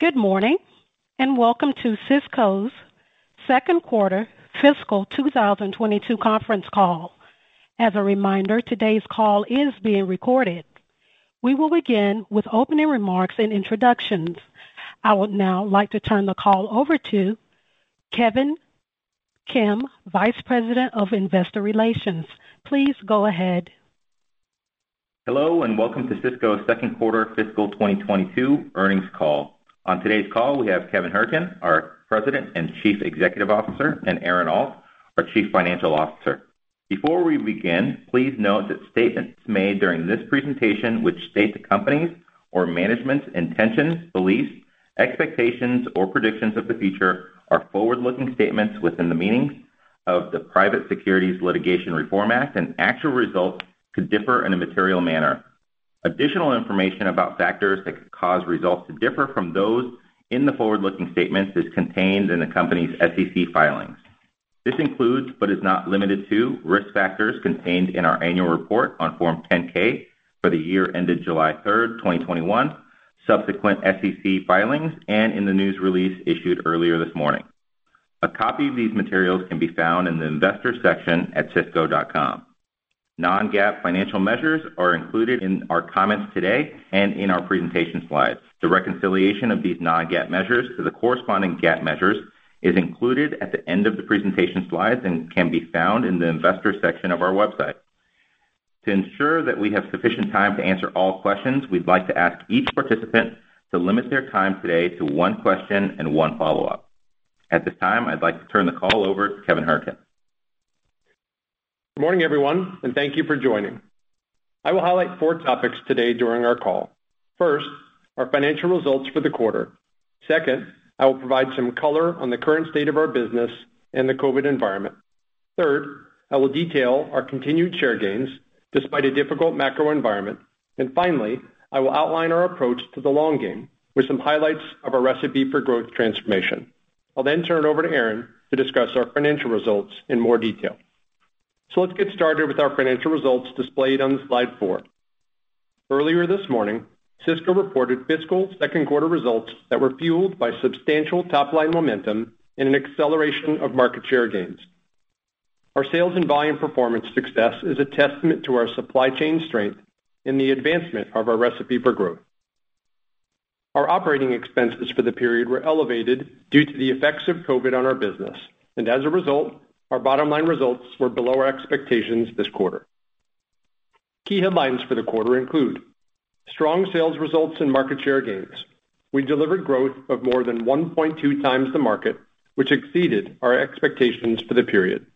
Good morning, and welcome to Sysco's Q2 fiscal 2022 conference call. As a reminder, today's call is being recorded. We will begin with opening remarks and introductions. I would now like to turn the call over to Kevin Kim, VP of Investor Relations. Please go ahead. Hello, and welcome to Sysco's second quarter fiscal 2022 earnings call. On today's call, we have Kevin Hourican, our President and CEO, and Aaron Alt, our CFO. Before we begin, please note that statements made during this presentation which state the company's or management's intentions, beliefs, expectations, or predictions of the future are forward-looking statements within the meaning of the Private Securities Litigation Reform Act, and actual results could differ in a material manner. Additional information about factors that could cause results to differ from those in the forward-looking statements is contained in the company's SEC filings. This includes, but is not limited to, risk factors contained in our annual report on Form 10-K for the year ended July 3, 2021, subsequent SEC filings, and in the news release issued earlier this morning. A copy of these materials can be found in the Investors section at sysco.com. Non-GAAP financial measures are included in our comments today and in our presentation slides. The reconciliation of these non-GAAP measures to the corresponding GAAP measures is included at the end of the presentation slides and can be found in the Investors section of our website. To ensure that we have sufficient time to answer all questions, we'd like to ask each participant to limit their time today to one question and one follow-up. At this time, I'd like to turn the call over to Kevin Hourican. Good morning, everyone, and thank you for joining. I will highlight four topics today during our call. First, our financial results for the quarter. Second, I will provide some color on the current state of our business and the COVID environment. Third, I will detail our continued share gains despite a difficult macro environment. Finally, I will outline our approach to the long game with some highlights of our Recipe for Growth transformation. I'll then turn it over to Aaron to discuss our financial results in more detail. Let's get started with our financial results displayed on slide four. Earlier this morning, Sysco reported fiscal Q2 results that were fueled by substantial top-line momentum and an acceleration of market share gains. Our sales and volume performance success is a testament to our supply chain strength and the advancement of our Recipe for Growth. Our operating expenses for the period were elevated due to the effects of COVID on our business, and as a result, our bottom-line results were below our expectations this quarter. Key headlines for the quarter include strong sales results and market share gains. We delivered growth of more than 1.2× the market, which exceeded our expectations for the period.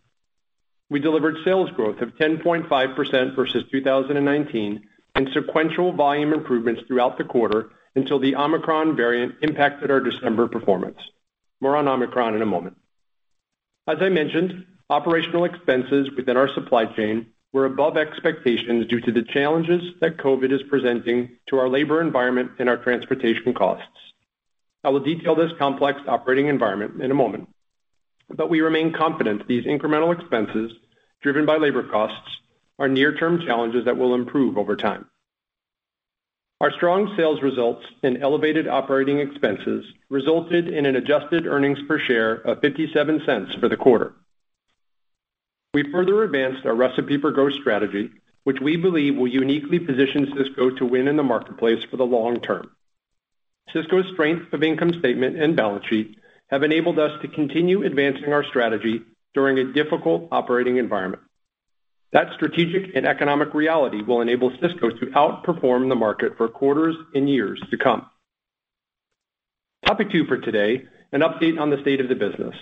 We delivered sales growth of 10.5% versus 2019 and sequential volume improvements throughout the quarter until the Omicron variant impacted our December performance. More on Omicron in a moment. As I mentioned, operating expenses within our supply chain were above expectations due to the challenges that COVID is presenting to our labor environment and our transportation costs. I will detail this complex operating environment in a moment. We remain confident these incremental expenses driven by labor costs are near-term challenges that will improve over time. Our strong sales results and elevated operating expenses resulted in an adjusted earnings per share of $0.57 for the quarter. We further advanced our Recipe for Growth strategy, which we believe will uniquely position Sysco to win in the marketplace for the long term. Sysco's strength on the income statement and balance sheet have enabled us to continue advancing our strategy during a difficult operating environment. That strategic and economic reality will enable Sysco to outperform the market for quarters and years to come. Topic two for today, an update on the state of the business.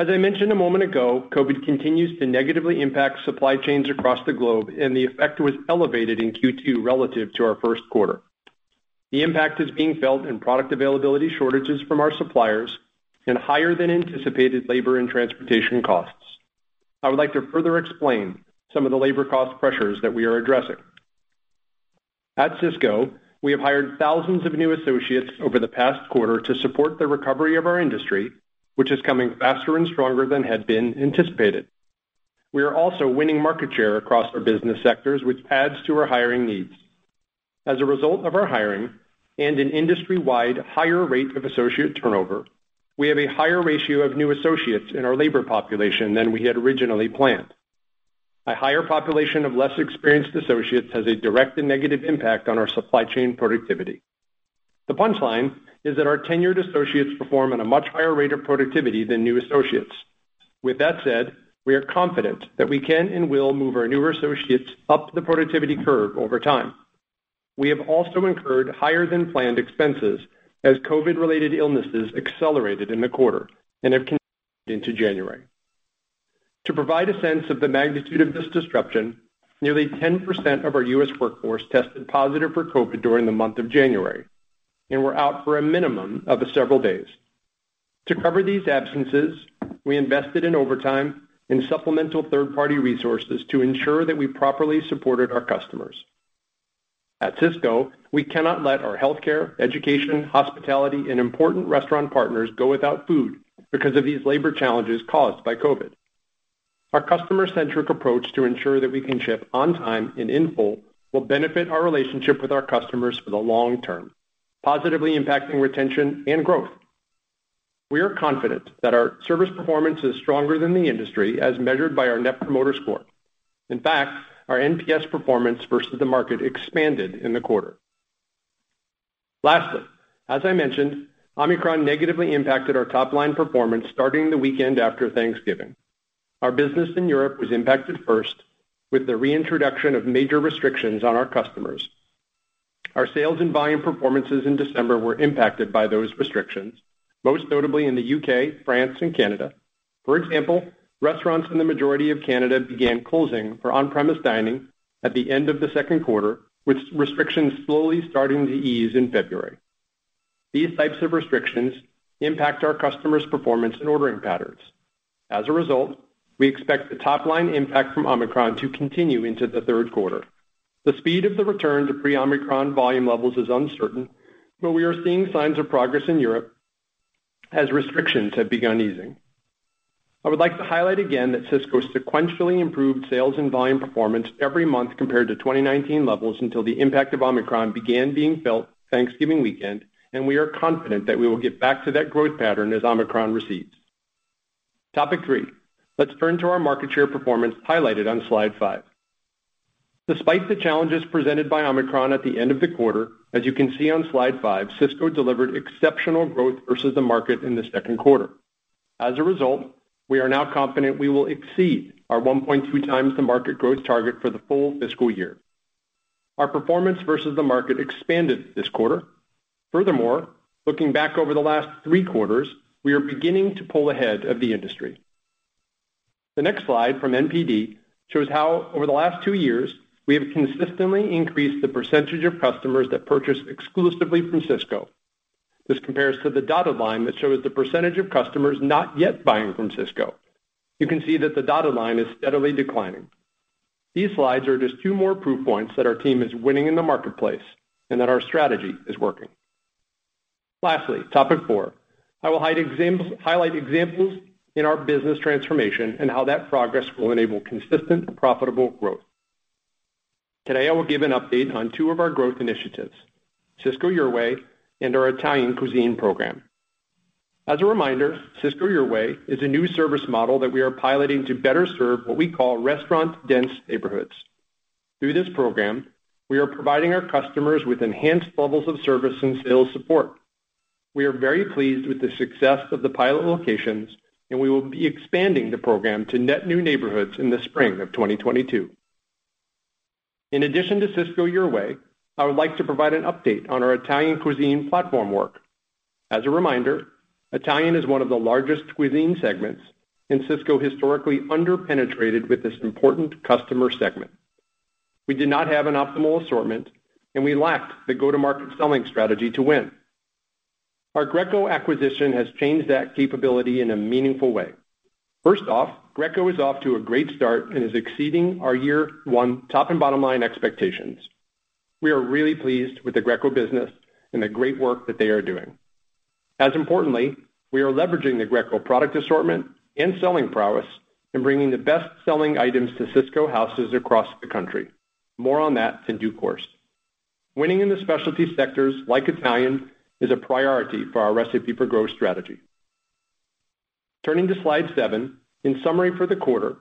As I mentioned a moment ago, COVID continues to negatively impact supply chains across the globe, and the effect was elevated in Q2 relative to our Q1. The impact is being felt in product availability shortages from our suppliers and higher than anticipated labor and transportation costs. I would like to further explain some of the labor cost pressures that we are addressing. At Sysco, we have hired thousands of new associates over the past quarter to support the recovery of our industry, which is coming faster and stronger than had been anticipated. We are also winning market share across our business sectors, which adds to our hiring needs. As a result of our hiring and an industry-wide higher rate of associate turnover, we have a higher ratio of new associates in our labor population than we had originally planned. A higher population of less experienced associates has a direct and negative impact on our supply chain productivity. The punchline is that our tenured associates perform at a much higher rate of productivity than new associates. With that said, we are confident that we can and will move our newer associates up the productivity curve over time. We have also incurred higher than planned expenses as COVID-related illnesses accelerated in the quarter and have continued into January. To provide a sense of the magnitude of this disruption, nearly 10% of our U.S. workforce tested positive for COVID during the month of January and were out for a minimum of several days. To cover these absences, we invested in overtime and supplemental third-party resources to ensure that we properly supported our customers. At Sysco, we cannot let our healthcare, education, hospitality, and important restaurant partners go without food because of these labor challenges caused by COVID. Our customer centric approach to ensure that we can ship on time and in full will benefit our relationship with our customers for the long term, positively impacting retention and growth. We are confident that our service performance is stronger than the industry as measured by our Net Promoter Score. In fact, our NPS performance versus the market expanded in the quarter. Lastly, as I mentioned, Omicron negatively impacted our top-line performance starting the weekend after Thanksgiving. Our business in Europe was impacted first with the reintroduction of major restrictions on our customers. Our sales and volume performances in December were impacted by those restrictions, most notably in the U.K., France, and Canada. For example, restaurants in the majority of Canada began closing for on-premise dining at the end of the second quarter, with severe restrictions slowly starting to ease in February. These types of restrictions impact our customers' performance and ordering patterns. As a result, we expect the top line impact from Omicron to continue into the third quarter. The speed of the return to pre-Omicron volume levels is uncertain, but we are seeing signs of progress in Europe as restrictions have begun easing. I would like to highlight again that Sysco sequentially improved sales and volume performance every month compared to 2019 levels until the impact of Omicron began being felt Thanksgiving weekend, and we are confident that we will get back to that growth pattern as Omicron recedes. Topic three, let's turn to our market share performance highlighted on slide five. Despite the challenges presented by Omicron at the end of the quarter, as you can see on slide five, Sysco delivered exceptional growth versus the market in the Q2. As a result, we are now confident we will exceed our 1.2× the market growth target for the full fiscal year. Our performance versus the market expanded this quarter. Furthermore, looking back over the last three quarters, we are beginning to pull ahead of the industry. The next slide from NPD shows how over the last two years we have consistently increased the percentage of customers that purchase exclusively from Sysco. This compares to the dotted line that shows the percentage of customers not yet buying from Sysco. You can see that the dotted line is steadily declining. These slides are just two more proof points that our team is winning in the marketplace and that our strategy is working. Lastly, topic four, I will highlight examples in our business transformation and how that progress will enable consistent profitable growth. Today, I will give an update on two of our growth initiatives, Sysco Your Way and our Italian cuisine program. As a reminder, Sysco Your Way is a new service model that we are piloting to better serve what we call restaurant dense neighborhoods. Through this program, we are providing our customers with enhanced levels of service and sales support. We are very pleased with the success of the pilot locations, and we will be expanding the program to net new neighborhoods in the spring of 2022. In addition to Sysco Your Way, I would like to provide an update on our Italian cuisine platform work. As a reminder, Italian is one of the largest cuisine segments, and Sysco historically under-penetrated with this important customer segment. We did not have an optimal assortment, and we lacked the go-to-market selling strategy to win. Our Greco acquisition has changed that capability in a meaningful way. First off, Greco is off to a great start and is exceeding our year one top and bottom line expectations. We are really pleased with the Greco business and the great work that they are doing. As importantly, we are leveraging the Greco product assortment and selling prowess in bringing the best selling items to Sysco houses across the country. More on that in due course. Winning in the specialty sectors like Italian is a priority for our Recipe for Growth strategy. Turning to slide seven, in summary for the quarter,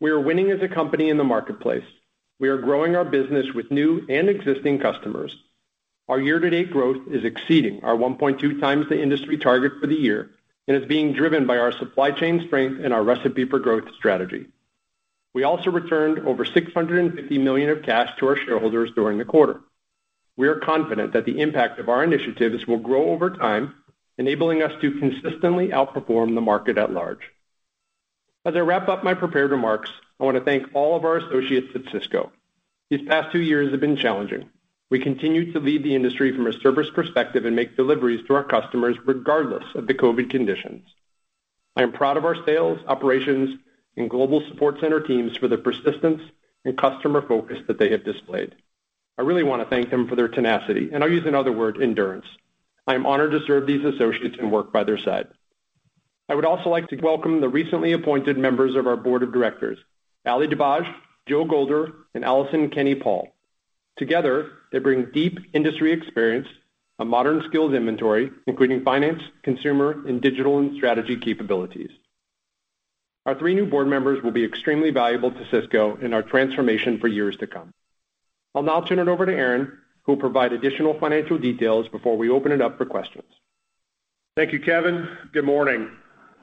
we are winning as a company in the marketplace. We are growing our business with new and existing customers. Our year-to-date growth is exceeding our 1.2× the industry target for the year and is being driven by our supply chain strength and our Recipe for Growth strategy. We also returned over $650 million of cash to our shareholders during the quarter. We are confident that the impact of our initiatives will grow over time, enabling us to consistently outperform the market at large. As I wrap up my prepared remarks, I wanna thank all of our associates at Sysco. These past two years have been challenging. We continue to lead the industry from a service perspective and make deliveries to our customers regardless of the COVID conditions. I am proud of our sales, operations, and global support center teams for their persistence and customer focus that they have displayed. I really wanna thank them for their tenacity, and I'll use another word, endurance. I am honored to serve these associates and work by their side. I would also like to welcome the recently appointed members of our board of directors, Ali Dibadj, Jill M. Golder, and Alison Kenney Paul. Together, they bring deep industry experience, a modern skills inventory, including finance, consumer, and digital and strategy capabilities. Our three new board members will be extremely valuable to Sysco in our transformation for years to come. I'll now turn it over to Aaron, who will provide additional financial details before we open it up for questions. Thank you, Kevin. Good morning.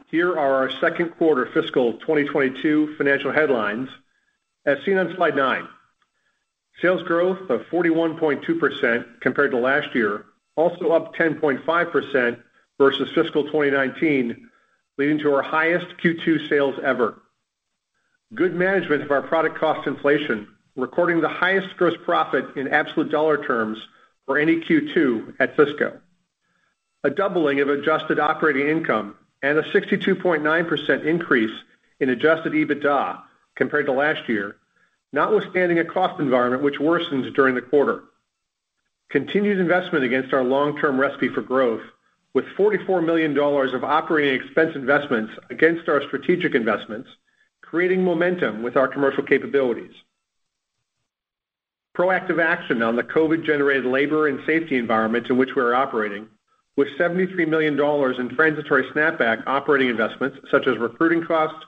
Here are our second quarter fiscal 2022 financial headlines. As seen on slide nine, sales growth of 41.2% compared to last year, also up 10.5% versus fiscal 2019, leading to our highest Q2 sales ever. Good management of our product cost inflation, recording the highest gross profit in absolute dollar terms for any Q2 at Sysco. A doubling of adjusted operating income and a 62.9% increase in adjusted EBITDA compared to last year, notwithstanding a cost environment which worsens during the quarter. Continued investment against our long term Recipe for Growth with $44 million of operating expense investments against our strategic investments, creating momentum with our commercial capabilities. Proactive action on the COVID-generated labor and safety environment in which we're operating with $73 million in transitory snapback operating investments such as recruiting costs,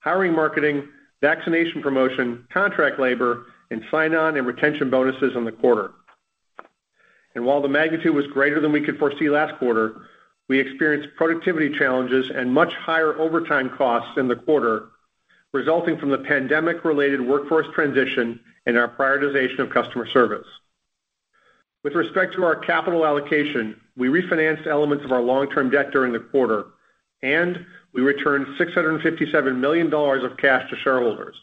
hiring, marketing, vaccination promotion, contract labor, and sign-on and retention bonuses in the quarter. While the magnitude was greater than we could foresee last quarter, we experienced productivity challenges and much higher overtime costs in the quarter resulting from the pandemic-related workforce transition and our prioritization of customer service. With respect to our capital allocation, we refinanced elements of our long-term debt during the quarter, and we returned $657 million of cash to shareholders.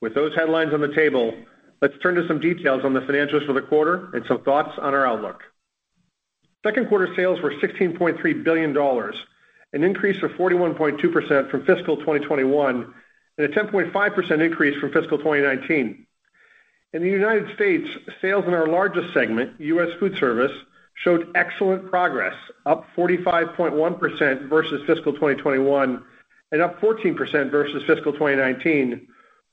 With those headlines on the table, let's turn to some details on the financials for the quarter and some thoughts on our outlook. Q2 sales were $16.3 billion, an increase of 41.2% from fiscal 2021 and a 10.5% increase from fiscal 2019. In the United States, sales in our largest segment, U.S. Foodservice, showed excellent progress, up 45.1% versus fiscal 2021 and up 14% versus fiscal 2019,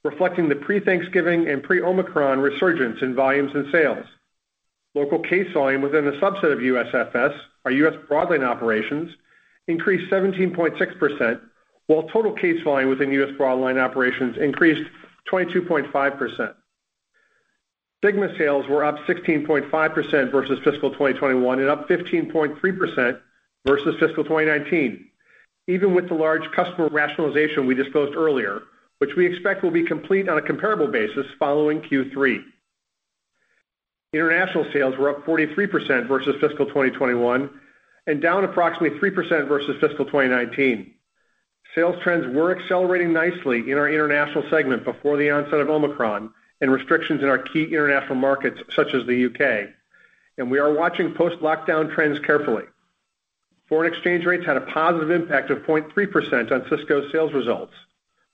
reflecting the pre-Thanksgiving and pre-Omicron resurgence in volumes and sales. Local case volume within a subset of USFS, our U.S. broadline operations, increased 17.6%, while total case volume within U.S. broadline operations increased 22.5%. SYGMA sales were up 16.5% versus fiscal 2021 and up 15.3% versus fiscal 2019, even with the large customer rationalization we disclosed earlier, which we expect will be complete on a comparable basis following Q3. International sales were up 43% versus fiscal 2021 and down approximately three percent versus fiscal 2019. Sales trends were accelerating nicely in our international segment before the onset of Omicron and restrictions in our key international markets such as the U.K., and we are watching post lockdown trends carefully. Foreign exchange rates had a positive impact of 0.3% on Sysco's sales results.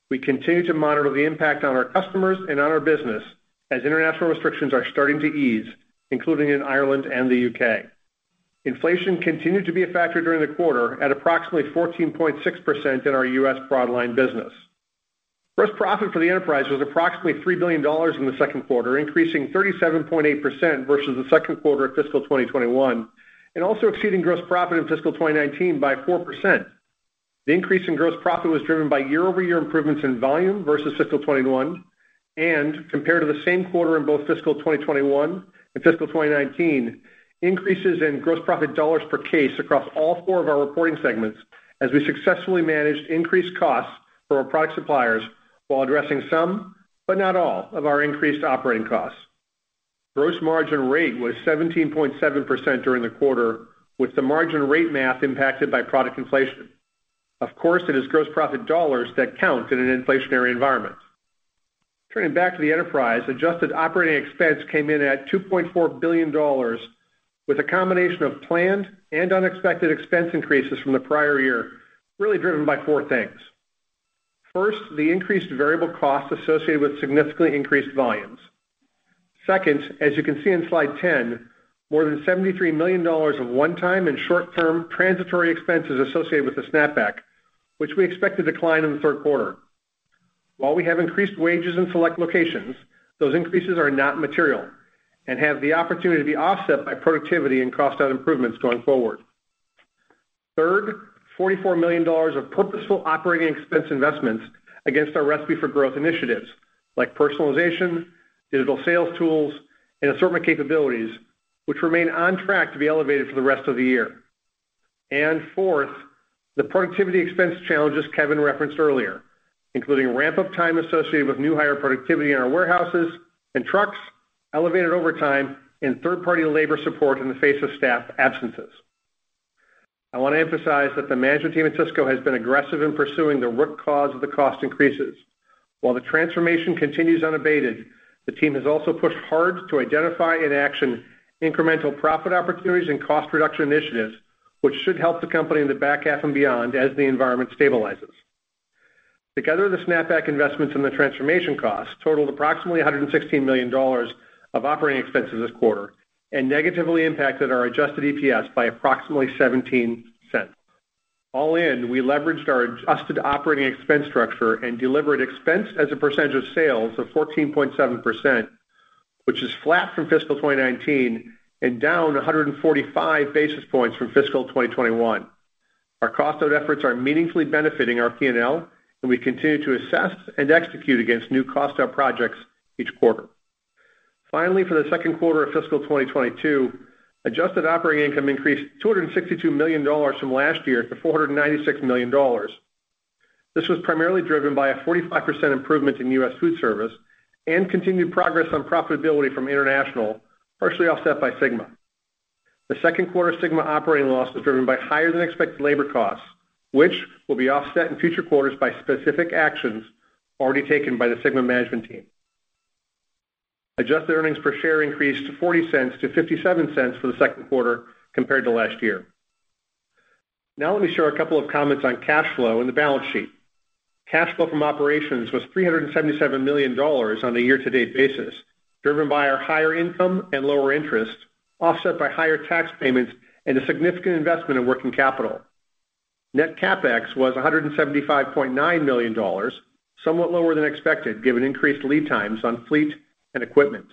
We continue to monitor the impact on our customers and on our business as international restrictions are starting to ease, including in Ireland and the U.K. Inflation continued to be a factor during the quarter at approximately 14.6% in our U.S. broadline business. Gross profit for the enterprise was approximately $3 billion in the second quarter, increasing 37.8% versus the second quarter of fiscal 2021 and also exceeding gross profit in fiscal 2019 by four percent. The increase in gross profit was driven by year-over-year improvements in volume versus fiscal 2021 and compared to the same quarter in both fiscal 2021 and fiscal 2019, increases in gross profit dollars per case across all four of our reporting segments as we successfully managed increased costs from our product suppliers while addressing some, but not all, of our increased operating costs. Gross margin rate was 17.7% during the quarter, with the margin rate math impacted by product inflation. Of course, it is gross profit dollars that count in an inflationary environment. Turning back to the enterprise, adjusted operating expense came in at $2.4 billion, with a combination of planned and unexpected expense increases from the prior year really driven by four things. First, the increased variable costs associated with significantly increased volumes. Second, as you can see in slide 10, more than $73 million of one-time and short-term transitory expenses associated with the snapback, which we expect to decline in the third quarter. While we have increased wages in select locations, those increases are not material and have the opportunity to be offset by productivity and cost out improvements going forward. Third, $44 million of purposeful operating expense investments against our Recipe for Growth initiatives like personalization, digital sales tools, and assortment capabilities, which remain on track to be elevated for the rest of the year. Fourth, the productivity expense challenges Kevin referenced earlier, including ramp up time associated with new hire productivity in our warehouses and trucks, elevated overtime, and third-party labor support in the face of staff absences. I want to emphasize that the management team at Sysco has been aggressive in pursuing the root cause of the cost increases. While the transformation continues unabated, the team has also pushed hard to identify and action incremental profit opportunities and cost reduction initiatives, which should help the company in the back half and beyond as the environment stabilizes. Together, the snapback investments and the transformation costs totaled approximately $116 million of operating expenses this quarter and negatively impacted our adjusted EPS by approximately $0.17. All in, we leveraged our adjusted operating expense structure and delivered expense as a percentage of sales of 14.7%, which is flat from fiscal 2019 and down 145 basis points from fiscal 2021. Our cost out efforts are meaningfully benefiting our P&L, and we continue to assess and execute against new cost out projects each quarter. Finally, for the Q2 of fiscal 2022, adjusted operating income increased $262 million from last year to $496 million. This was primarily driven by a 45% improvement in U.S. Foodservice and continued progress on profitability from international, partially offset by SYGMA. The Q2 SYGMA operating loss was driven by higher than expected labor costs, which will be offset in future quarters by specific actions already taken by the SYGMA management team. Adjusted earnings per share increased to $0.40-$0.57 for the Q2 compared to last year. Now let me share a couple of comments on cash flow and the balance sheet. Cash flow from operations was $377 million on a year-to-date basis, driven by our higher income and lower interest, offset by higher tax payments and a significant investment in working capital. Net CapEx was $175.9 million, somewhat lower than expected, given increased lead times on fleet and equipment.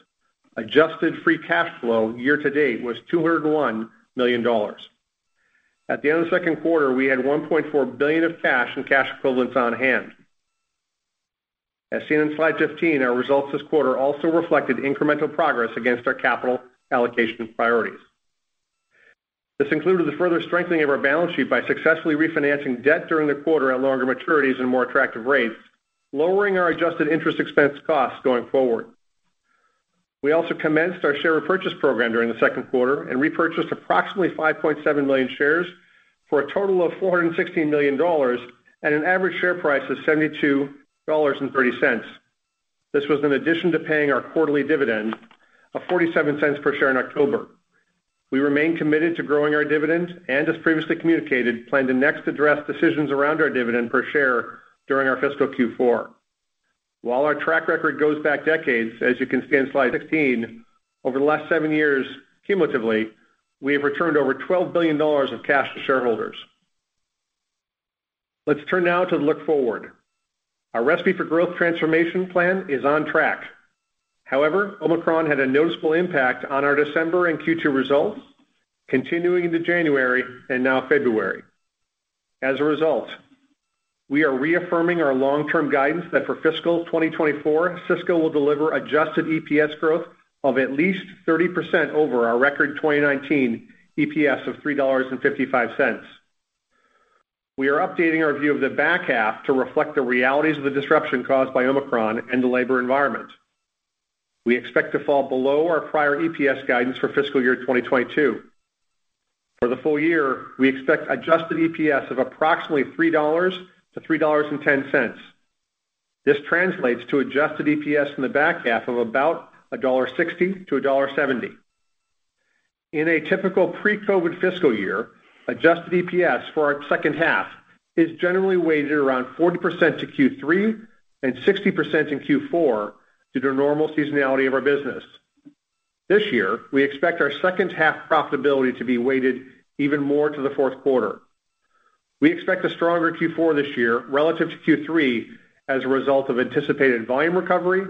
Adjusted free cash flow year to date was $201 million. At the end of the second quarter, we had $1.4 billion of cash and cash equivalents on hand. As seen in slide 15, our results this quarter also reflected incremental progress against our capital allocation priorities. This included the further strengthening of our balance sheet by successfully refinancing debt during the quarter at longer maturities and more attractive rates, lowering our adjusted interest expense costs going forward. We also commenced our share repurchase program during the Q2 and repurchased approximately 5.7 million shares for a total of $416 million at an average share price of $72.30. This was in addition to paying our quarterly dividend of $0.47 per share in October. We remain committed to growing our dividend and, as previously communicated, plan to next address decisions around our dividend per share during our fiscal Q4. While our track record goes back decades, as you can see on slide 16, over the last seven years, cumulatively, we have returned over $12 billion of cash to shareholders. Let's turn now to look forward. Our Recipe for Growth transformation plan is on track. However, Omicron had a noticeable impact on our December and Q2 results, continuing into January and now February. As a result, we are reaffirming our long-term guidance that for fiscal 2024, Sysco will deliver adjusted EPS growth of at least 30% over our record 2019 EPS of $3.55. We are updating our view of the back half to reflect the realities of the disruption caused by Omicron and the labor environment. We expect to fall below our prior EPS guidance for fiscal year 2022. For the full year, we expect adjusted EPS of approximately $3-$3.10. This translates to adjusted EPS in the back half of about $1.60-$1.70. In a typical pre-COVID fiscal year, adjusted EPS for our second half is generally weighted around 40% to Q3 and 60% in Q4 due to normal seasonality of our business. This year, we expect our second half profitability to be weighted even more to the Q4. We expect a stronger Q4 this year relative to Q3 as a result of anticipated volume recovery,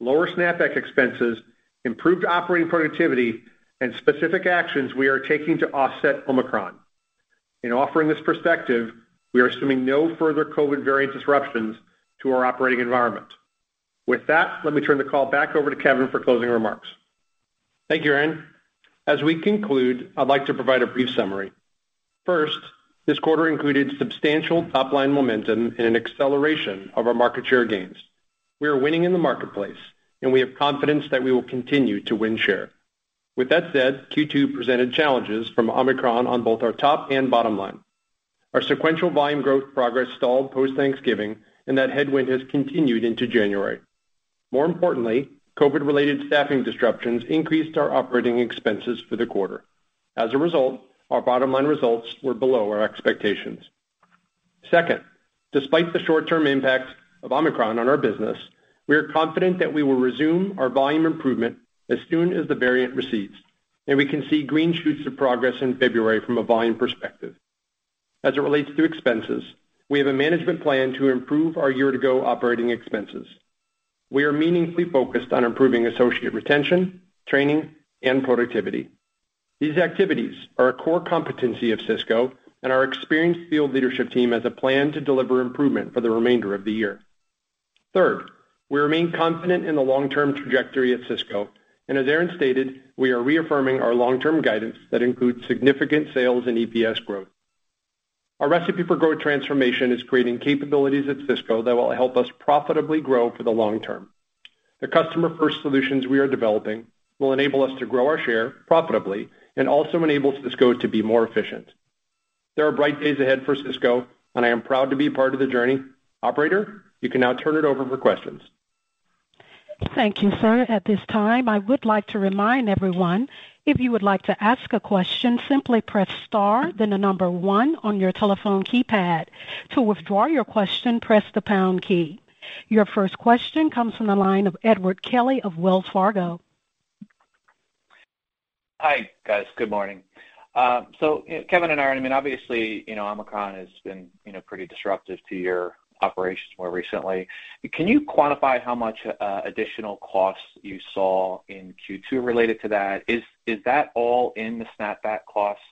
lower SNAP-back expenses, improved operating productivity, and specific actions we are taking to offset Omicron. In offering this perspective, we are assuming no further COVID variant disruptions to our operating environment. With that, let me turn the call back over to Kevin for closing remarks. Thank you, Aaron. As we conclude, I'd like to provide a brief summary. First, this quarter included substantial top-line momentum and an acceleration of our market share gains. We are winning in the marketplace, and we have confidence that we will continue to win share. With that said, Q2 presented challenges from Omicron on both our top and bottom line. Our sequential volume growth progress stalled post-Thanksgiving, and that headwind has continued into January. More importantly, COVID-related staffing disruptions increased our operating expenses for the quarter. As a result, our bottom-line results were below our expectations. Second, despite the short-term impacts of Omicron on our business, we are confident that we will resume our volume improvement as soon as the variant recedes, and we can see green shoots of progress in February from a volume perspective. As it relates to expenses, we have a management plan to improve our year-to-go operating expenses. We are meaningfully focused on improving associate retention, training, and productivity. These activities are a core competency of Sysco, and our experienced field leadership team has a plan to deliver improvement for the remainder of the year. Third, we remain confident in the long-term trajectory at Sysco. as Aaron stated, we are reaffirming our long-term guidance that includes significant sales and EPS growth. Our Recipe for Growth transformation is creating capabilities at Sysco that will help us profitably grow for the long term. The customer-first solutions we are developing will enable us to grow our share profitably and also enable Sysco to be more efficient. There are bright days ahead for Sysco, and I am proud to be part of the journey. Operator, you can now turn it over for questions. Thank you, sir. At this time, I would like to remind everyone, if you would like to ask a question, simply press star then the number one on your telephone keypad. To withdraw your question, press the pound key. Your first question comes from the line of Edward Kelly of Wells Fargo. Hi, guys. Good morning. Kevin and Aaron, I mean, obviously, you know, Omicron has been, you know, pretty disruptive to your operations more recently. Can you quantify how much additional costs you saw in Q2 related to that? Is that all in the SNAP-back costs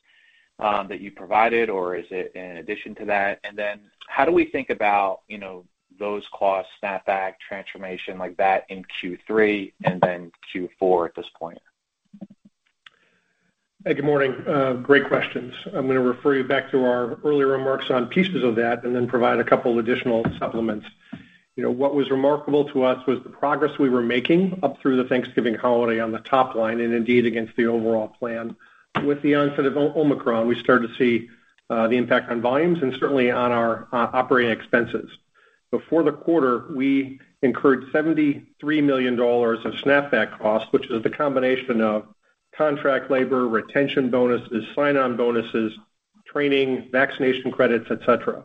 that you provided, or is it in addition to that? Then how do we think about those costs, SNAP-back transformation like that in Q3 and then Q4 at this point? Hey, good morning. Great questions. I'm gonna refer you back to our earlier remarks on pieces of that and then provide a couple additional supplements. You know, what was remarkable to us was the progress we were making up through the Thanksgiving holiday on the top line and indeed against the overall plan. With the onset of Omicron, we started to see the impact on volumes and certainly on our operating expenses. Before the quarter, we incurred $73 million of snapback costs, which is the combination of contract labor, retention bonuses, sign-on bonuses, training, vaccination credits, et cetera.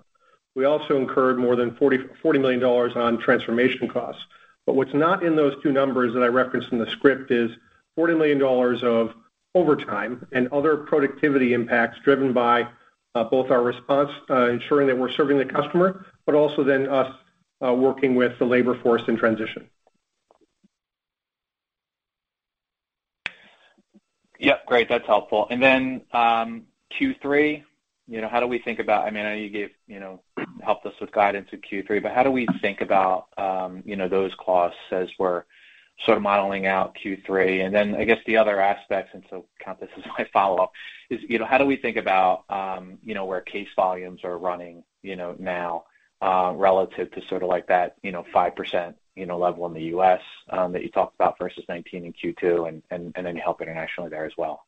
We also incurred more than $40 million on transformation costs. What's not in those two numbers that I referenced in the script is $40 million of overtime and other productivity impacts driven by both our response ensuring that we're serving the customer, but also then us working with the labor force in transition. Yeah, great. That's helpful. Then, Q3, you know, how do we think about I mean, I know you gave, you know, helped us with guidance in Q3, but how do we think about, you know, those costs as we're sort of modeling out Q3? I guess the other aspects, and so count this as my follow-up, is, you know, how do we think about, you know, where case volumes are running, you know, now, relative to sort of like that, you know, five percent level in the U.S., that you talked about versus 19% in Q2, and any help internationally there as well.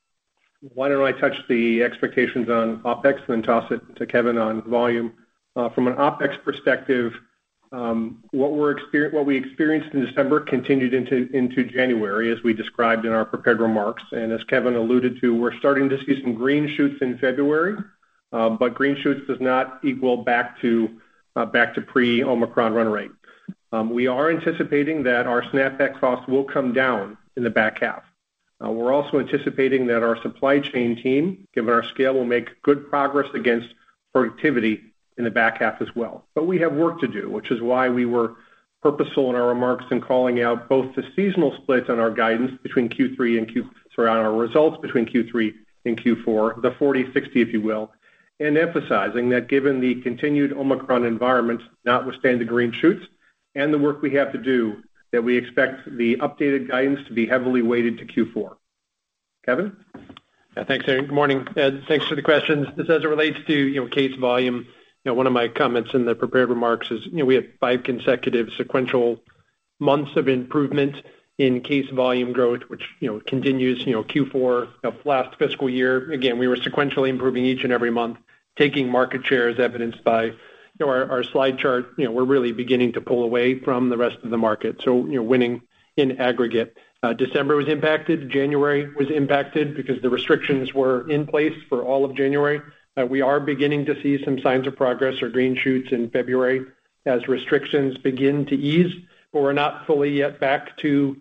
Why don't I touch the expectations on OpEx and then toss it to Kevin on volume? From an OpEx perspective, what we experienced in December continued into January, as we described in our prepared remarks. As Kevin alluded to, we're starting to see some green shoots in February, but green shoots does not equal back to pre-Omicron run rate. We are anticipating that our snapback costs will come down in the back half. We're also anticipating that our supply chain team, given our scale, will make good progress against productivity in the back half as well. We have work to do, which is why we were purposeful in our remarks in calling out both the seasonal splits on our guidance between Q3 and Q4, the 40/60, if you will, and emphasizing that given the continued Omicron environment, notwithstanding the green shoots and the work we have to do, that we expect the updated guidance to be heavily weighted to Q4. Kevin? Yeah. Thanks, Aaron. Good morning. Ed, thanks for the questions. This, as it relates to, you know, case volume, you know, one of my comments in the prepared remarks is, you know, we have five consecutive sequential months of improvement in case volume growth, which, you know, continues, you know, Q4 of last fiscal year. Again, we were sequentially improving each and every month, taking market share as evidenced by, you know, our slide chart. You know, we're really beginning to pull away from the rest of the market, so, you know, winning in aggregate. December was impacted. January was impacted because the restrictions were in place for all of January. We are beginning to see some signs of progress or green shoots in February as restrictions begin to ease, but we're not fully yet back to, you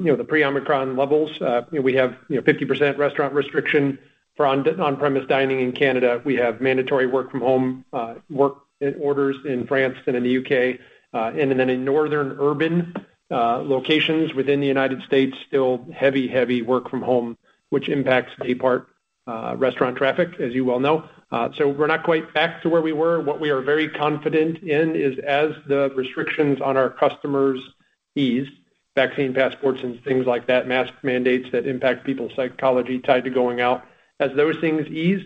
know, the pre-Omicron levels. You know, we have 50% restaurant restriction for on-premise dining in Canada. We have mandatory work from home work orders in France and in the U.K. And then in northern urban locations within the United States, still heavy work from home, which impacts day part restaurant traffic, as you well know. We're not quite back to where we were. What we are very confident in is as the restrictions on our customers ease, vaccine passports and things like that, mask mandates that impact people's psychology tied to going out, as those things ease,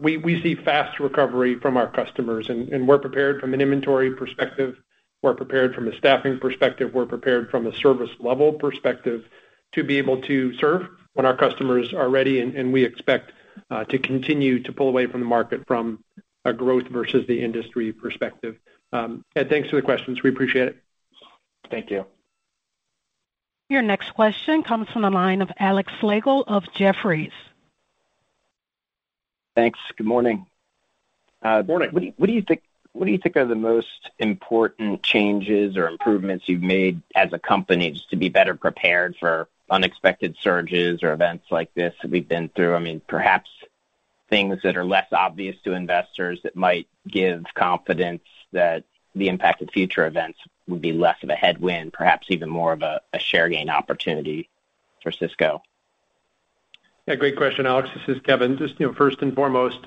we see fast recovery from our customers. We're prepared from an inventory perspective, we're prepared from a staffing perspective, we're prepared from a service level perspective to be able to serve when our customers are ready. We expect to continue to pull away from the market from a growth versus the industry perspective. Ed, thanks for the questions. We appreciate it. Thank you. Your next question comes from the line of Alex Slagle of Jefferies. Thanks. Good morning. Good morning. What do you think are the most important changes or improvements you've made as a company just to be better prepared for unexpected surges or events like this that we've been through? I mean, perhaps things that are less obvious to investors that might give confidence that the impact of future events would be less of a headwind, perhaps even more of a share gain opportunity for Sysco. Yeah. Great question, Alex. This is Kevin. Just, you know, first and foremost,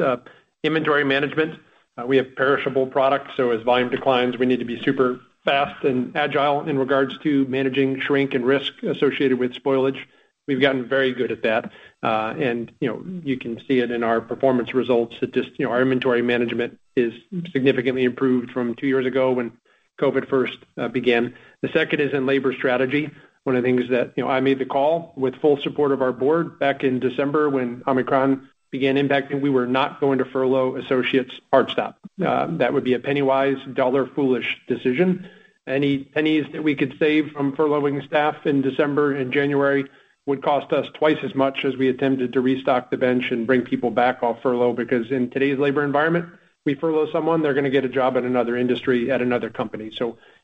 inventory management. We have perishable products, so as volume declines, we need to be super fast and agile in regards to managing shrink and risk associated with spoilage. We've gotten very good at that. You know, you can see it in our performance results that just, you know, our inventory management is significantly improved from two years ago when COVID first began. The second is in labor strategy. One of the things that, you know, I made the call with full support of our board back in December when Omicron began impacting. We were not going to furlough associates hard stop. That would be a penny-wise, dollar-foolish decision. Any pennies that we could save from furloughing staff in December and January would cost us twice as much as we attempted to restock the bench and bring people back off furlough, because in today's labor environment, we furlough someone, they're gonna get a job at another industry, at another company.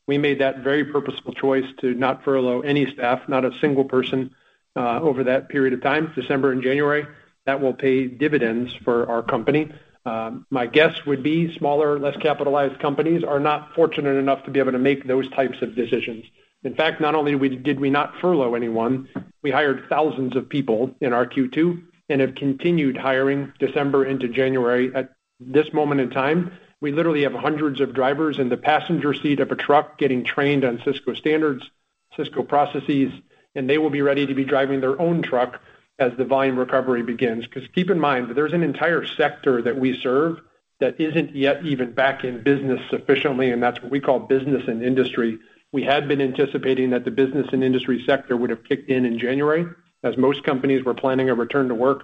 We made that very purposeful choice to not furlough any staff, not a single person, over that period of time, December and January. That will pay dividends for our company. My guess would be smaller, less capitalized companies are not fortunate enough to be able to make those types of decisions. In fact, not only did we not furlough anyone, we hired thousands of people in our Q2 and have continued hiring December into January. At this moment in time, we literally have hundreds of drivers in the passenger seat of a truck getting trained on Sysco standards, Sysco processes, and they will be ready to be driving their own truck as the volume recovery begins. 'Cause keep in mind, there's an entire sector that we serve that isn't yet even back in business sufficiently, and that's what we call business and industry. We had been anticipating that the business and industry sector would have kicked in in January, as most companies were planning a return to work.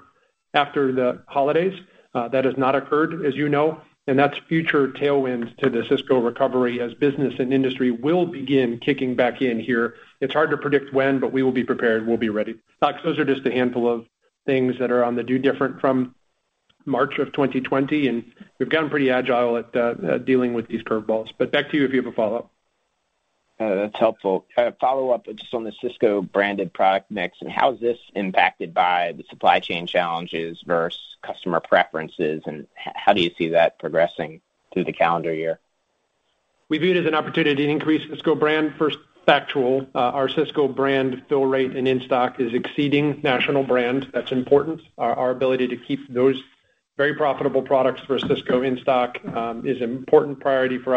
After the holidays, that has not occurred, as you know, and that's future tailwinds to the Sysco recovery as business and industry will begin kicking back in here. It's hard to predict when, but we will be prepared. We'll be ready. Alex, those are just a handful of things that are on the docket different from March of 2020, and we've gotten pretty agile at dealing with these curve balls. Back to you if you have a follow-up. That's helpful. A follow-up just on the Sysco branded product mix and how is this impacted by the supply chain challenges versus customer preferences, and how do you see that progressing through the calendar year? We view it as an opportunity to increase Sysco Brand. First factual, our Sysco Brand fill rate and in-stock is exceeding national brand. That's important. Our ability to keep those very profitable products for Sysco in stock is an important priority for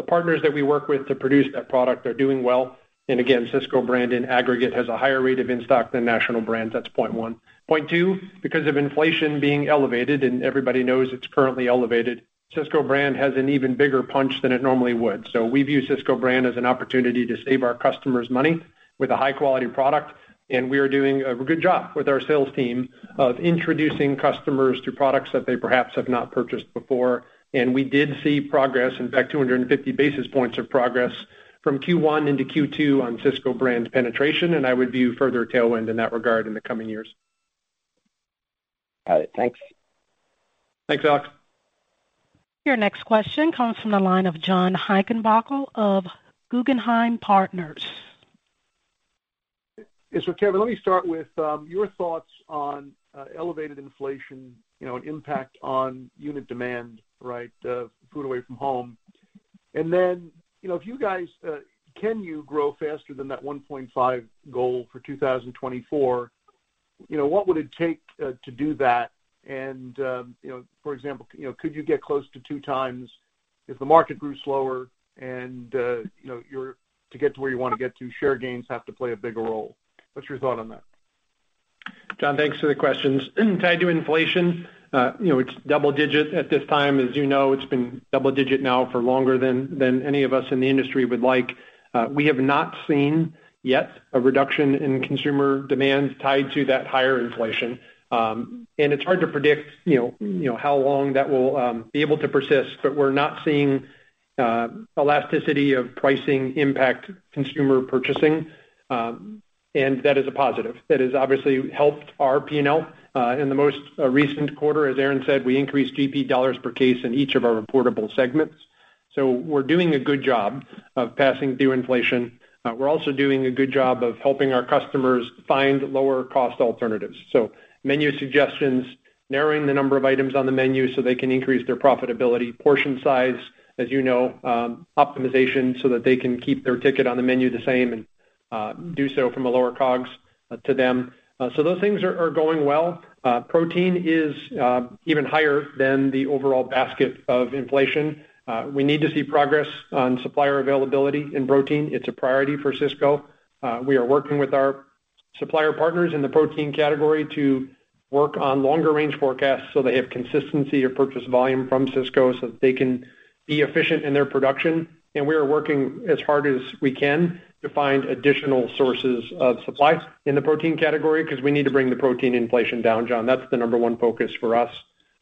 us. The partners that we work with to produce that product are doing well. Again, Sysco Brand in aggregate has a higher rate of in-stock than national brand. That's point one. Point two, because of inflation being elevated and everybody knows it's currently elevated, Sysco Brand has an even bigger punch than it normally would. We view Sysco Brand as an opportunity to save our customers money with a high quality product. We are doing a good job with our sales team of introducing customers to products that they perhaps have not purchased before. We did see progress, in fact, 250 basis points of progress from Q1 into Q2 on Sysco Brand penetration, and I would view further tailwind in that regard in the coming years. Got it. Thanks. Thanks, Alex. Your next question comes from the line of John Heinbockel of Guggenheim Securities. Yes. Kevin, let me start with your thoughts on elevated inflation, you know, and impact on unit demand, right? Food away from home. You know, if you guys can you grow faster than that 1.5 goal for 2024? You know, what would it take to do that? You know, for example, you know, could you get close to 2x if the market grew slower and, you know, to get to where you wanna get to, share gains have to play a bigger role. What's your thought on that? John, thanks for the questions. Tied to inflation, you know, it's double digit at this time. As you know, it's been double digit now for longer than any of us in the industry would like. We have not seen yet a reduction in consumer demand tied to that higher inflation. It's hard to predict, you know, how long that will be able to persist. We're not seeing elasticity of pricing impact consumer purchasing, and that is a positive. That has obviously helped our P&L. In the most recent quarter, as Aaron said, we increased GP dollars per case in each of our reportable segments. We're doing a good job of passing through inflation. We're also doing a good job of helping our customers find lower cost alternatives. Menu suggestions, narrowing the number of items on the menu so they can increase their profitability, portion size, as you know, optimization, so that they can keep their ticket on the menu the same and do so from a lower COGS to them. Those things are going well. Protein is even higher than the overall basket of inflation. We need to see progress on supplier availability in protein. It's a priority for Sysco. We are working with our supplier partners in the protein category to work on longer range forecasts, so they have consistency of purchase volume from Sysco so that they can be efficient in their production. We are working as hard as we can to find additional sources of supply in the protein category because we need to bring the protein inflation down, John. That's the number one focus for us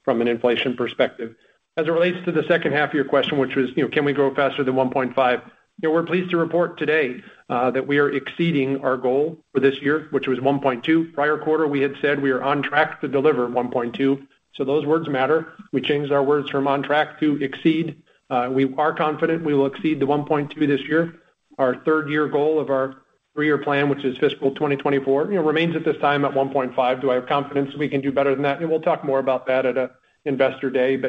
from an inflation perspective. As it relates to the second half of your question, which was, you know, can we grow faster than 1.5%? You know, we're pleased to report today that we are exceeding our goal for this year, which was 1.2%. Prior quarter, we had said we are on track to deliver 1.2%. So those words matter. We changed our words from on track to exceed. We are confident we will exceed the 1.2% this year. Our third year goal of our three-year plan, which is fiscal 2024, you know, remains at this time at 1.5%. Do I have confidence we can do better than that? We'll talk more about that at Investor Day.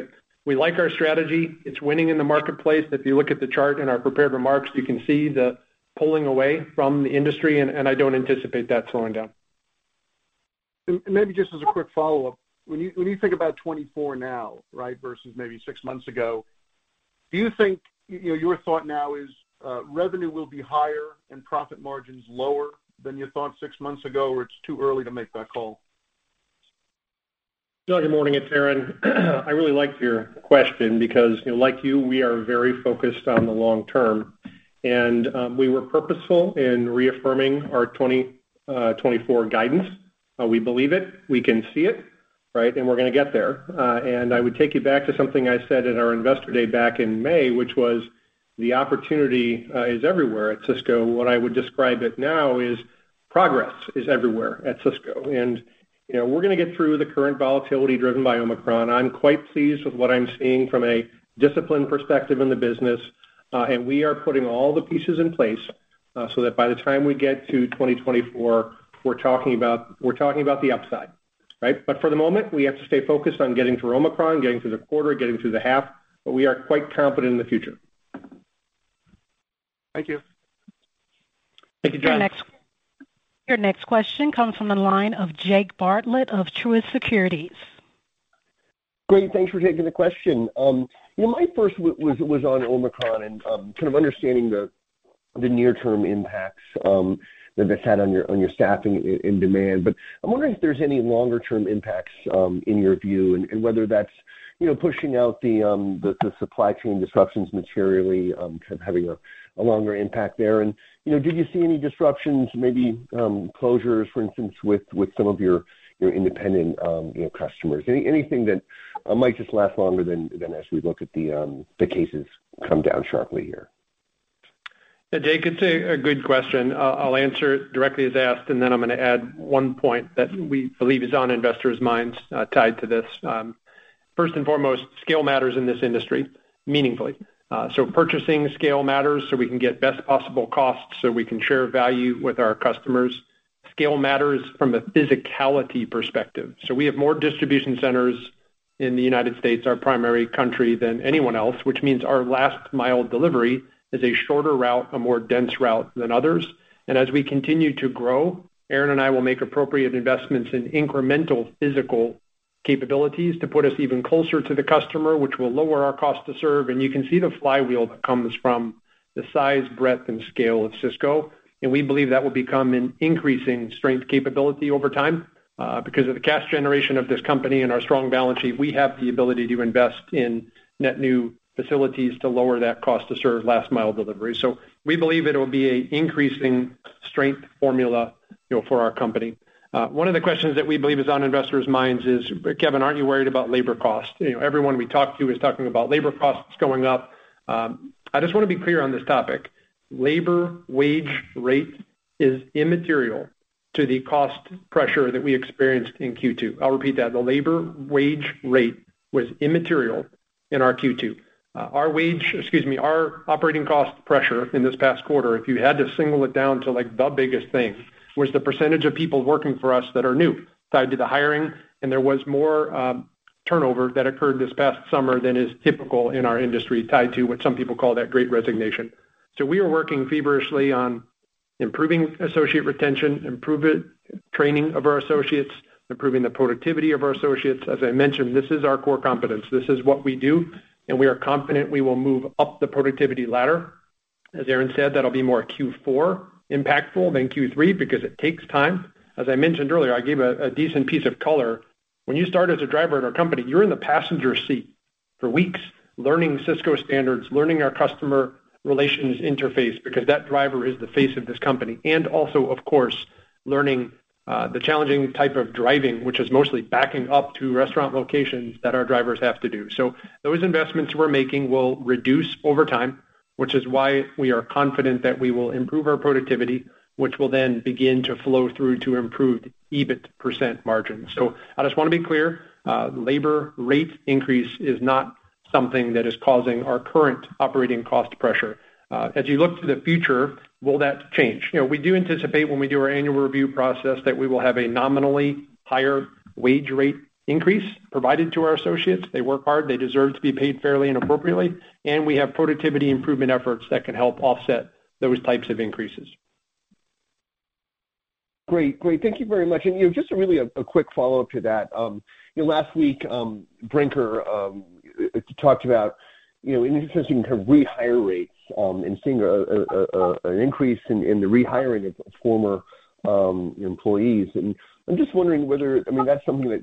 We like our strategy. It's winning in the marketplace. If you look at the chart in our prepared remarks, you can see the pulling away from the industry, and I don't anticipate that slowing down. Maybe just as a quick follow-up. When you think about 2024 now, right, versus maybe six months ago, do you think, you know, your thought now is, revenue will be higher and profit margins lower than you thought six months ago, or it's too early to make that call? John, good morning. It's Aaron. I really liked your question because, you know, like you, we are very focused on the long term. We were purposeful in reaffirming our 2024 guidance. We believe it, we can see it, right? We're gonna get there. I would take you back to something I said at our Investor Day back in May, which was the opportunity is everywhere at Sysco. What I would describe it now is progress is everywhere at Sysco. You know, we're gonna get through the current volatility driven by Omicron. I'm quite pleased with what I'm seeing from a discipline perspective in the business. We are putting all the pieces in place, so that by the time we get to 2024, we're talking about the upside, right? For the moment, we have to stay focused on getting through Omicron, getting through the quarter, getting through the half, but we are quite confident in the future. Thank you. Thank you, John. Your next question comes from the line of Jake Bartlett of Truist Securities. Great. Thanks for taking the question. You know, my first was on Omicron and kind of understanding the near term impacts that that's had on your staffing and demand. But I'm wondering if there's any longer term impacts in your view, and whether that's you know pushing out the supply chain disruptions materially kind of having a longer impact there. You know, did you see any disruptions, maybe closures, for instance, with some of your independent you know customers? Anything that might just last longer than as we look at the cases come down sharply here. Yeah, Jake, it's a good question. I'll answer it directly as asked, and then I'm gonna add one point that we believe is on investors' minds, tied to this. First and foremost, scale matters in this industry meaningfully. So purchasing scale matters, so we can get best possible costs, so we can share value with our customers. Scale matters from a physicality perspective. So we have more distribution centers in the United States, our primary country, than anyone else, which means our last mile delivery is a shorter route, a more dense route than others. As we continue to grow, Aaron and I will make appropriate investments in incremental physical capabilities to put us even closer to the customer, which will lower our cost to serve. You can see the flywheel that comes from the size, breadth, and scale of Sysco. We believe that will become an increasing strength capability over time. Because of the cash generation of this company and our strong balance sheet, we have the ability to invest in net new facilities to lower that cost to serve last mile delivery. We believe it'll be a increasing strength formula, you know, for our company. One of the questions that we believe is on investors' minds is, Kevin, aren't you worried about labor costs? You know, everyone we talk to is talking about labor costs going up. I just wanna be clear on this topic. Labor wage rate is immaterial to the cost pressure that we experienced in Q2. I'll repeat that. The labor wage rate was immaterial in our Q2. Our operating cost pressure in this past quarter, if you had to boil it down to, like, the biggest thing, was the percentage of people working for us that are new, tied to the hiring, and there was more turnover that occurred this past summer than is typical in our industry, tied to what some people call the Great Resignation. We are working feverishly on improving associate retention, improving the training of our associates, improving the productivity of our associates. As I mentioned, this is our core competence. This is what we do, and we are confident we will move up the productivity ladder. As Aaron said, that'll be more Q4 impactful than Q3 because it takes time. As I mentioned earlier, I gave a decent piece of color. When you start as a driver at our company, you're in the passenger seat for weeks learning Sysco standards, learning our customer relations interface, because that driver is the face of this company, and also, of course, learning the challenging type of driving, which is mostly backing up to restaurant locations that our drivers have to do. Those investments we're making will reduce over time, which is why we are confident that we will improve our productivity, which will then begin to flow through to improved EBIT % margin. I just wanna be clear, labor rate increase is not something that is causing our current operating cost pressure. As you look to the future, will that change? You know, we do anticipate when we do our annual review process that we will have a nominally higher wage rate increase provided to our associates. They work hard. They deserve to be paid fairly and appropriately. We have productivity improvement efforts that can help offset those types of increases. Great. Thank you very much. You know, just really a quick follow-up to that. You know, last week, Brinker talked about, you know, in a sense even kind of rehire rates, and seeing an increase in the rehiring of former employees. I'm just wondering whether, I mean, that's something that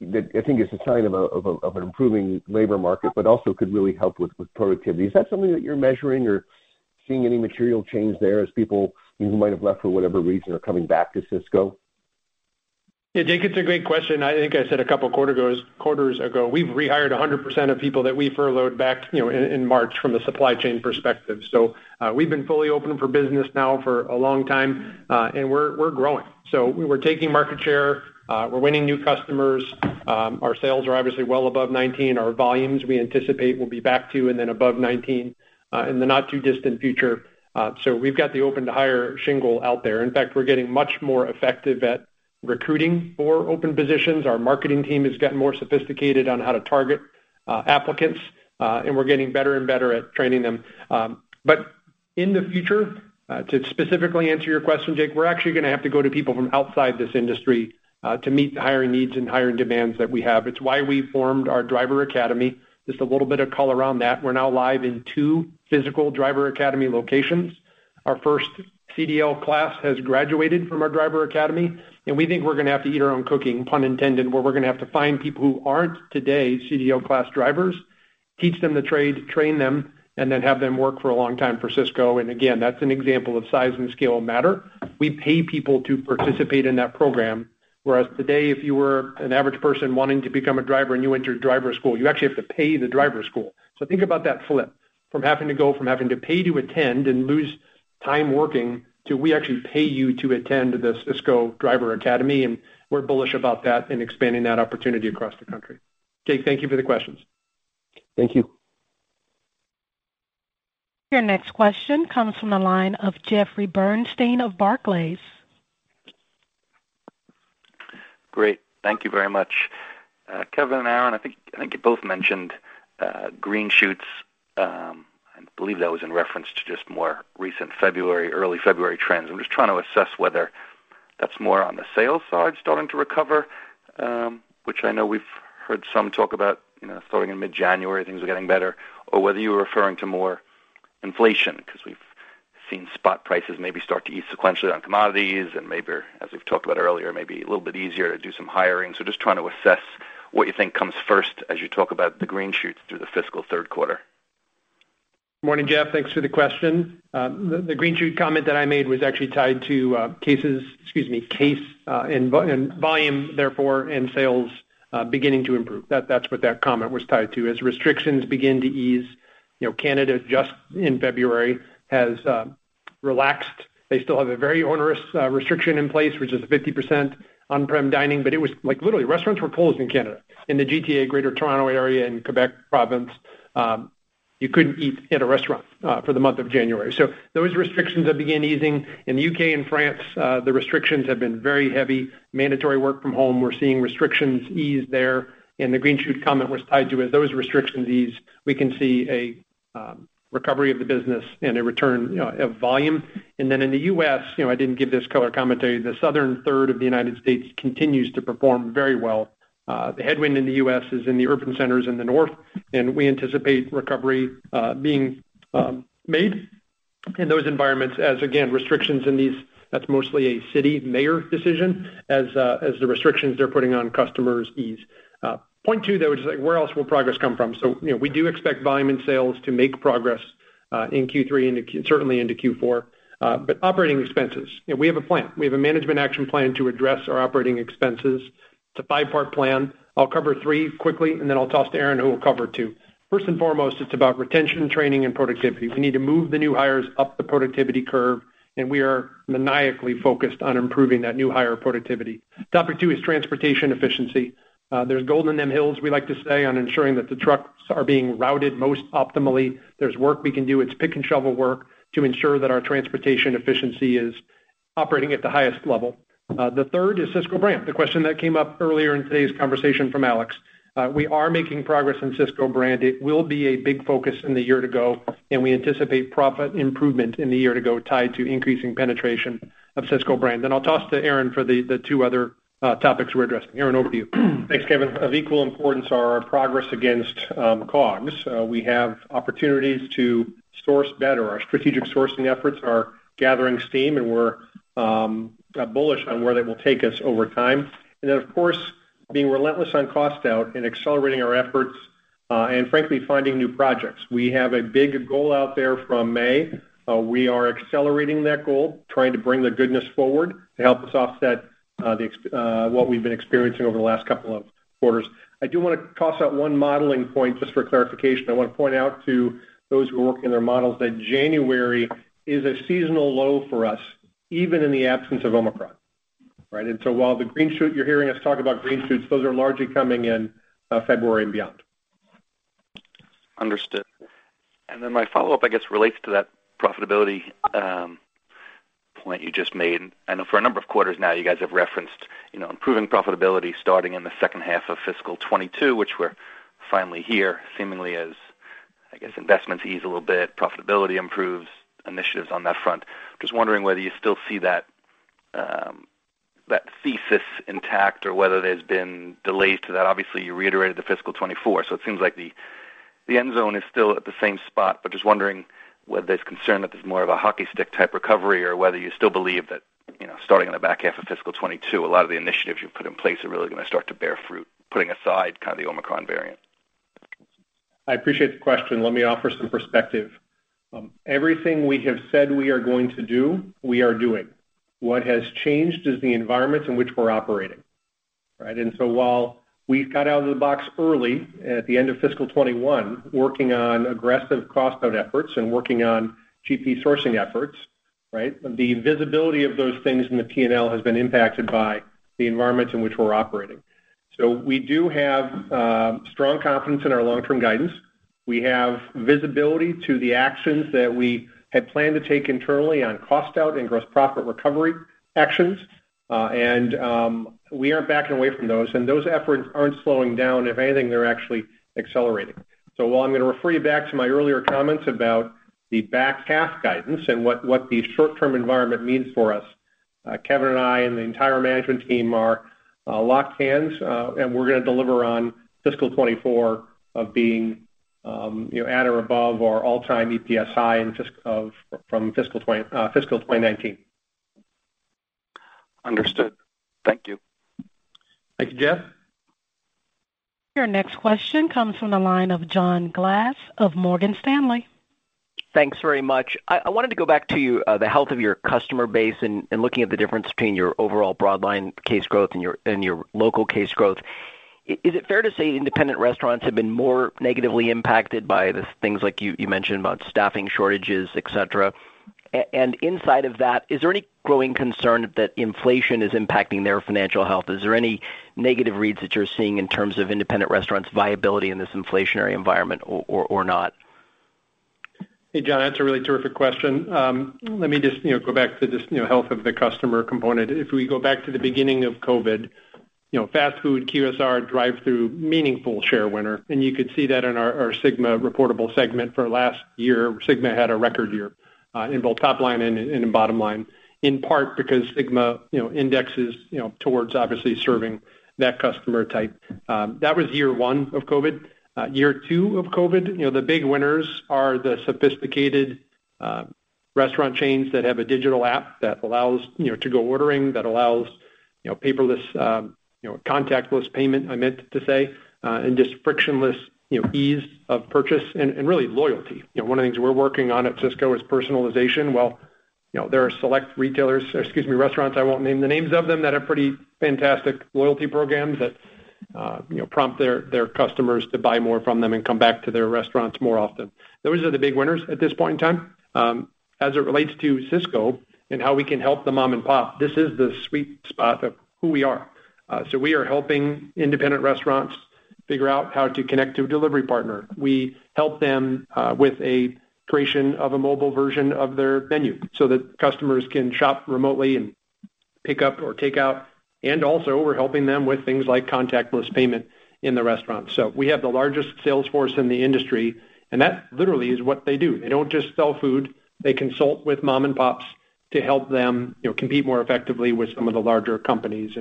I think is a sign of an improving labor market, but also could really help with productivity. Is that something that you're measuring or seeing any material change there as people who might have left for whatever reason are coming back to Sysco? Yeah, Jake, it's a great question. I think I said a couple quarters ago, we've rehired 100% of people that we furloughed back, you know, in March from the supply chain perspective. We've been fully open for business now for a long time, and we're growing. We're taking market share. We're winning new customers. Our sales are obviously well above 2019. Our volumes we anticipate will be back to and then above 2019 in the not too distant future. We've got the open to hire shingle out there. In fact, we're getting much more effective at recruiting for open positions. Our marketing team is getting more sophisticated on how to target applicants, and we're getting better and better at training them. In the future, to specifically answer your question, Jake, we're actually gonna have to go to people from outside this industry to meet the hiring needs and hiring demands that we have. It's why we formed our Driver Academy. Just a little bit of color on that. We're now live in two physical Driver Academy locations. Our first CDL class has graduated from our Driver Academy, and we think we're gonna have to eat our own cooking, pun intended, where we're gonna have to find people who aren't today CDL class drivers, teach them the trade, train them, and then have them work for a long time for Sysco. Again, that's an example of size and scale matter. We pay people to participate in that program, whereas today, if you were an average person wanting to become a driver and you entered driver school, you actually have to pay the driver school. Think about that flip from having to pay to attend and lose time working to we actually pay you to attend the Sysco Driver Academy, and we're bullish about that and expanding that opportunity across the country. Jake, thank you for the questions. Thank you. Your next question comes from the line of Jeffrey Bernstein of Barclays. Great. Thank you very much. Kevin and Aaron, I think you both mentioned green shoots. I believe that was in reference to just more recent February, early February trends. I'm just trying to assess whether that's more on the sales side starting to recover, which I know we've heard some talk about, you know, starting in mid-January, things are getting better or whether you're referring to more inflation 'cause we've seen spot prices maybe start to ease sequentially on commodities and maybe, as we've talked about earlier, maybe a little bit easier to do some hiring. Just trying to assess what you think comes first as you talk about the green shoots through the fiscal third quarter. Morning, Jeff. Thanks for the question. The green shoot comment that I made was actually tied to case and volume, therefore, and sales beginning to improve. That's what that comment was tied to. As restrictions begin to ease, you know, Canada just in February has relaxed. They still have a very onerous restriction in place, which is a 50% on-prem dining, but it was like, literally, restaurants were closed in Canada. In the GTA, Greater Toronto Area, and Quebec Province, you couldn't eat at a restaurant for the month of January. Those restrictions have began easing. In the U.K. and France, the restrictions have been very heavy. Mandatory work from home. We're seeing restrictions ease there. The green shoot comment was tied to, as those restrictions ease, we can see a recovery of the business and a return, you know, of volume. In the U.S., you know, I didn't give this color commentary, the southern third of the United States continues to perform very well. The headwind in the U.S. is in the urban centers in the north, and we anticipate recovery being made in those environments as, again, restrictions in these, that's mostly a city mayor decision as the restrictions they're putting on customers ease. Point two, though, is like where else will progress come from? You know, we do expect volume and sales to make progress in Q3 into certainly into Q4. Operating expenses, you know, we have a plan. We have a management action plan to address our operating expenses. It's a five-part plan. I'll cover three quickly, and then I'll toss to Aaron, who will cover two. First and foremost, it's about retention, training, and productivity. We need to move the new hires up the productivity curve, and we are maniacally focused on improving that new hire productivity. Topic two is transportation efficiency. There's gold in them hills, we like to say, on ensuring that the trucks are being routed most optimally. There's work we can do, it's pick and shovel work, to ensure that our transportation efficiency is operating at the highest level. The third is Sysco Brand, the question that came up earlier in today's conversation from Alex. We are making progress in Sysco Brand. It will be a big focus in the year to go, and we anticipate profit improvement in the year to go tied to increasing penetration of Sysco Brand. I'll toss to Aaron for the two other topics we're addressing. Aaron, over to you. Thanks, Kevin. Of equal importance are our progress against COGS. We have opportunities to source better. Our strategic sourcing efforts are gathering steam, and we're bullish on where that will take us over time. Of course, being relentless on cost out and accelerating our efforts, and frankly, finding new projects. We have a big goal out there from May. We are accelerating that goal, trying to bring the goodness forward to help us offset what we've been experiencing over the last couple of quarters. I do wanna toss out one modeling point just for clarification. I wanna point out to those who are working their models that January is a seasonal low for us, even in the absence of Omicron, right? While the green shoot you're hearing us talk about, green shoots, those are largely coming in February and beyond. Understood. My follow-up, I guess, relates to that profitability point you just made. I know for a number of quarters now, you guys have referenced, you know, improving profitability starting in the second half of fiscal 2022, which we're finally here, seemingly as, I guess, investments ease a little bit, profitability improves initiatives on that front. Just wondering whether you still see that thesis intact or whether there's been delays to that. Obviously, you reiterated the fiscal 2024, so it seems like the end zone is still at the same spot, but just wondering whether there's concern that there's more of a hockey stick type recovery or whether you still believe that, you know, starting in the back half of fiscal 2022, a lot of the initiatives you've put in place are really gonna start to bear fruit, putting aside kind of the Omicron variant. I appreciate the question. Let me offer some perspective. Everything we have said we are going to do, we are doing. What has changed is the environment in which we're operating, right? While we got out of the box early at the end of fiscal 2021, working on aggressive cost out efforts and working on GP sourcing efforts, right? The visibility of those things in the P&L has been impacted by the environment in which we're operating. We do have strong confidence in our long-term guidance. We have visibility to the actions that we had planned to take internally on cost out and gross profit recovery actions. We aren't backing away from those, and those efforts aren't slowing down. If anything, they're actually accelerating. While I'm gonna refer you back to my earlier comments about the back half guidance and what the short-term environment means for us, Kevin and I and the entire management team are locked hands and we're gonna deliver on fiscal 2024 being, you know, at or above our all-time EPS in fiscal 2019. Understood. Thank you. Thank you, Jeff. Your next question comes from the line of John Glass of Morgan Stanley. Thanks very much. I wanted to go back to the health of your customer base and looking at the difference between your overall broad line case growth and your local case growth. Is it fair to say independent restaurants have been more negatively impacted by the things like you mentioned about staffing shortages, et cetera? Inside of that, is there any growing concern that inflation is impacting their financial health? Is there any negative reads that you're seeing in terms of independent restaurants viability in this inflationary environment or not? Hey, John, that's a really terrific question. Let me just, you know, go back to just, you know, health of the customer component. If we go back to the beginning of COVID, you know, fast food, QSR, drive-through, meaningful share winner, and you could see that in our SYGMA reportable segment for last year. SYGMA had a record year in both top line and in bottom line, in part because SYGMA, you know, indexes, you know, towards obviously serving that customer type. That was year one of COVID. Year two of COVID, you know, the big winners are the sophisticated restaurant chains that have a digital app that allows, you know, to-go ordering, that allows You know, paperless, contactless payment, I meant to say, and just frictionless, you know, ease of purchase and really loyalty. You know, one of things we're working on at Sysco is personalization. Well, you know, there are select retailers, excuse me, restaurants, I won't name the names of them, that have pretty fantastic loyalty programs that, you know, prompt their customers to buy more from them and come back to their restaurants more often. Those are the big winners at this point in time. As it relates to Sysco and how we can help the mom-and-pop, this is the sweet spot of who we are. We are helping independent restaurants figure out how to connect to a delivery partner. We help them with a creation of a mobile version of their menu so that customers can shop remotely and pick up or take out. Also, we're helping them with things like contactless payment in the restaurant. We have the largest sales force in the industry, and that literally is what they do. They don't just sell food, they consult with mom-and-pops to help them, you know, compete more effectively with some of the larger companies.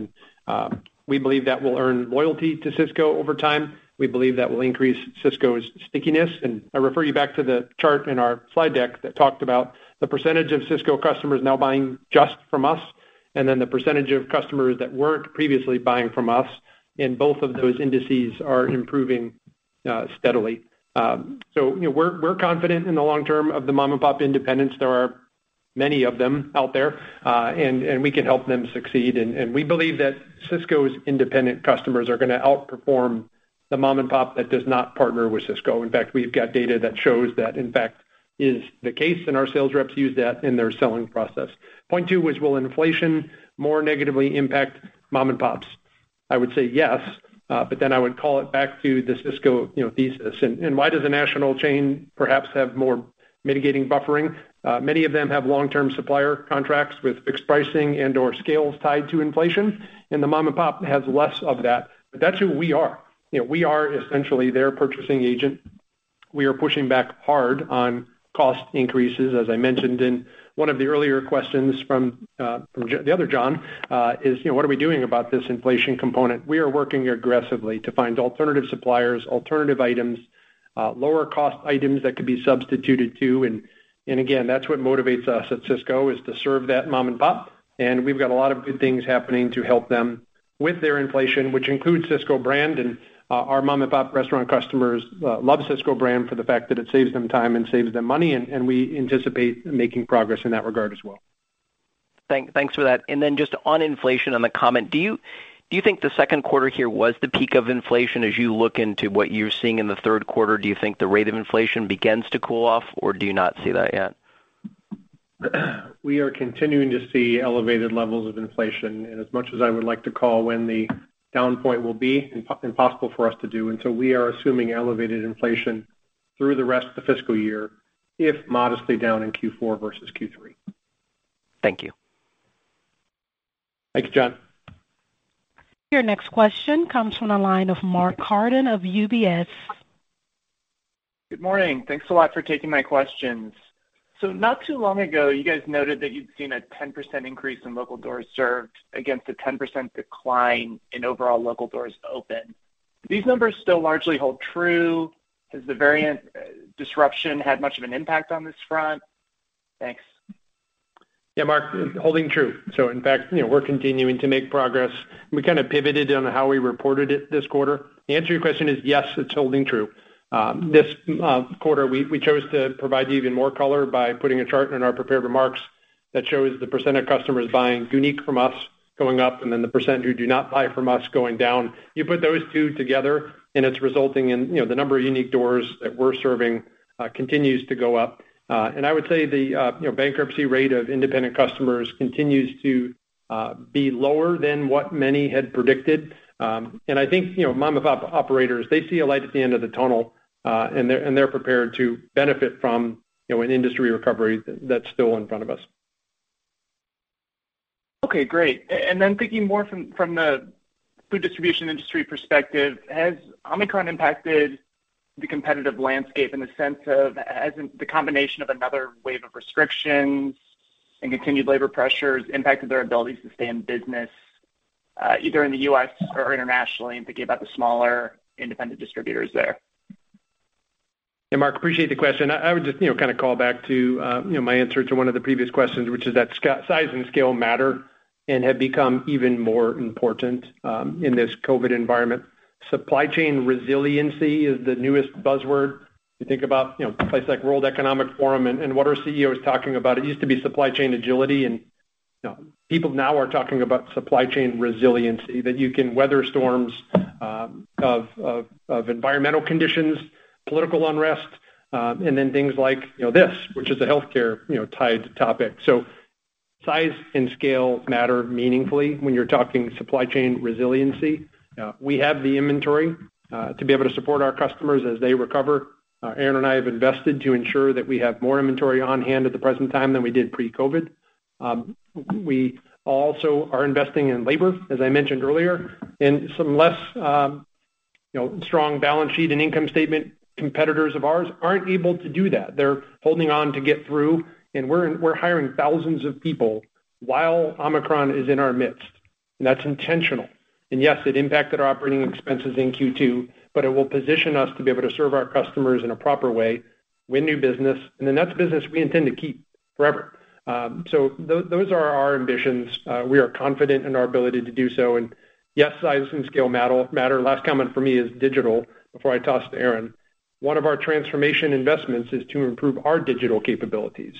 We believe that will earn loyalty to Sysco over time. We believe that will increase Sysco's stickiness. I refer you back to the chart in our slide deck that talked about the percentage of Sysco customers now buying just from us, and then the percentage of customers that weren't previously buying from us. Both of those indices are improving steadily. You know, we're confident in the long term of the mom-and-pop independence. There are many of them out there, and we can help them succeed. We believe that Sysco's independent customers are gonna outperform the mom-and-pop that does not partner with Sysco. In fact, we've got data that shows that, in fact, is the case, and our sales reps use that in their selling process. Point two was, will inflation more negatively impact mom-and-pops? I would say yes, but then I would call it back to the Sysco, you know, thesis. Why does a national chain perhaps have more mitigating buffering? Many of them have long-term supplier contracts with fixed pricing and/or scales tied to inflation, and the mom-and-pop has less of that. That's who we are. You know, we are essentially their purchasing agent. We are pushing back hard on cost increases, as I mentioned in one of the earlier questions from the other John, you know, what are we doing about this inflation component. We are working aggressively to find alternative suppliers, alternative items, lower cost items that could be substituted too. Again, that's what motivates us at Sysco, is to serve that mom-and-pop. We've got a lot of good things happening to help them with their inflation, which includes Sysco Brand. Our mom-and-pop restaurant customers love Sysco Brand for the fact that it saves them time and saves them money, and we anticipate making progress in that regard as well. Thanks for that. Then just on inflation on the comment, do you think the second quarter here was the peak of inflation? As you look into what you're seeing in the third quarter, do you think the rate of inflation begins to cool off, or do you not see that yet? We are continuing to see elevated levels of inflation. As much as I would like to call when the turning point will be, impossible for us to do, and so we are assuming elevated inflation through the rest of the fiscal year, if modestly down in Q4 versus Q3. Thank you. Thanks, John. Your next question comes from the line of Mark Carden of UBS. Good morning. Thanks a lot for taking my questions. Not too long ago, you guys noted that you'd seen a 10% increase in local doors served against a 10% decline in overall local doors opened. Do these numbers still largely hold true? Has the variant, disruption had much of an impact on this front? Thanks. Yeah, Mark, holding true. In fact, you know, we're continuing to make progress. We kind of pivoted on how we reported it this quarter. The answer to your question is yes, it's holding true. This quarter, we chose to provide you even more color by putting a chart in our prepared remarks that shows the percent of customers buying unique from us going up, and then the percent who do not buy from us going down. You put those two together, and it's resulting in, you know, the number of unique doors that we're serving continues to go up. I would say the, you know, bankruptcy rate of independent customers continues to be lower than what many had predicted. I think, you know, mom-and-pop operators, they see a light at the end of the tunnel, and they're prepared to benefit from, you know, an industry recovery that's still in front of us. Okay, great. Thinking more from the food distribution industry perspective, has Omicron impacted the competitive landscape in the sense of has the combination of another wave of restrictions and continued labor pressures impacted their ability to stay in business, either in the U.S. or internationally, and thinking about the smaller independent distributors there? Yeah, Mark, appreciate the question. I would just, you know, kind of call back to, you know, my answer to one of the previous questions, which is that Sysco size and scale matter and have become even more important in this COVID environment. Supply chain resiliency is the newest buzzword. You think about, you know, a place like World Economic Forum and what our CEO is talking about. It used to be supply chain agility, and, you know, people now are talking about supply chain resiliency, that you can weather storms of environmental conditions, political unrest, and then things like, you know, this, which is a healthcare tied topic. Size and scale matter meaningfully when you're talking supply chain resiliency. We have the inventory to be able to support our customers as they recover. Aaron and I have invested to ensure that we have more inventory on hand at the present time than we did pre-COVID. We also are investing in labor, as I mentioned earlier. Some less, you know, strong balance sheet and income statement competitors of ours aren't able to do that. They're holding on to get through, and we're hiring thousands of people while Omicron is in our midst, and that's intentional. Yes, it impacted our operating expenses in Q2, but it will position us to be able to serve our customers in a proper way. Win new business, and then that's business we intend to keep forever. Those are our ambitions. We are confident in our ability to do so. Yes, size and scale matter. Last comment for me is digital before I toss to Aaron. One of our transformation investments is to improve our digital capabilities.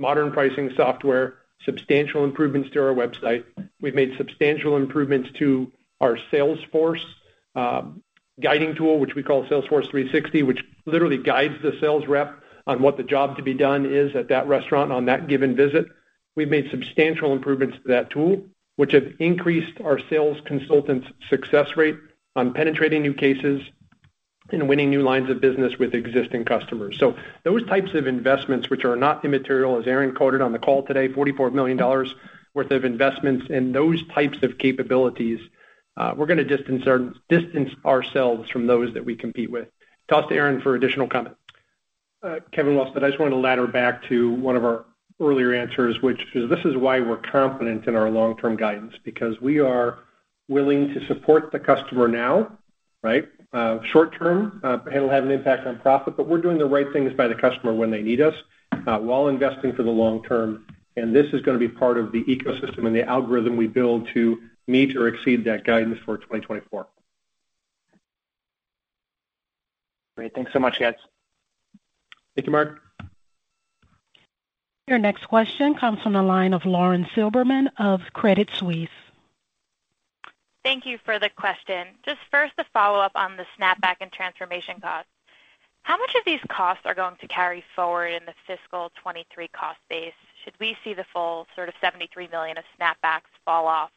Modern pricing software, substantial improvements to our website. We've made substantial improvements to our Salesforce guiding tool, which we call Salesforce 360, which literally guides the sales rep on what the job to be done is at that restaurant on that given visit. We've made substantial improvements to that tool, which have increased our sales consultants' success rate on penetrating new cases and winning new lines of business with existing customers. Those types of investments which are not immaterial, as Aaron quoted on the call today, $44 million worth of investments in those types of capabilities, we're gonna distance ourselves from those that we compete with. Toss to Aaron for additional comment. Kevin well said. I just wanna ladder back to one of our earlier answers, which is this is why we're confident in our long-term guidance, because we are willing to support the customer now, right? Short-term, it'll have an impact on profit, but we're doing the right things by the customer when they need us, while investing for the long term. This is gonna be part of the ecosystem and the algorithm we build to meet or exceed that guidance for 2024. Great. Thanks so much, guys. Thank you, Mark. Your next question comes from the line of Lauren Silberman of Credit Suisse. Thank you for the question. Just first a follow-up on the snapback and transformation costs. How much of these costs are going to carry forward in the fiscal 2023 cost base? Should we see the full sort of $73 million of snapbacks fall off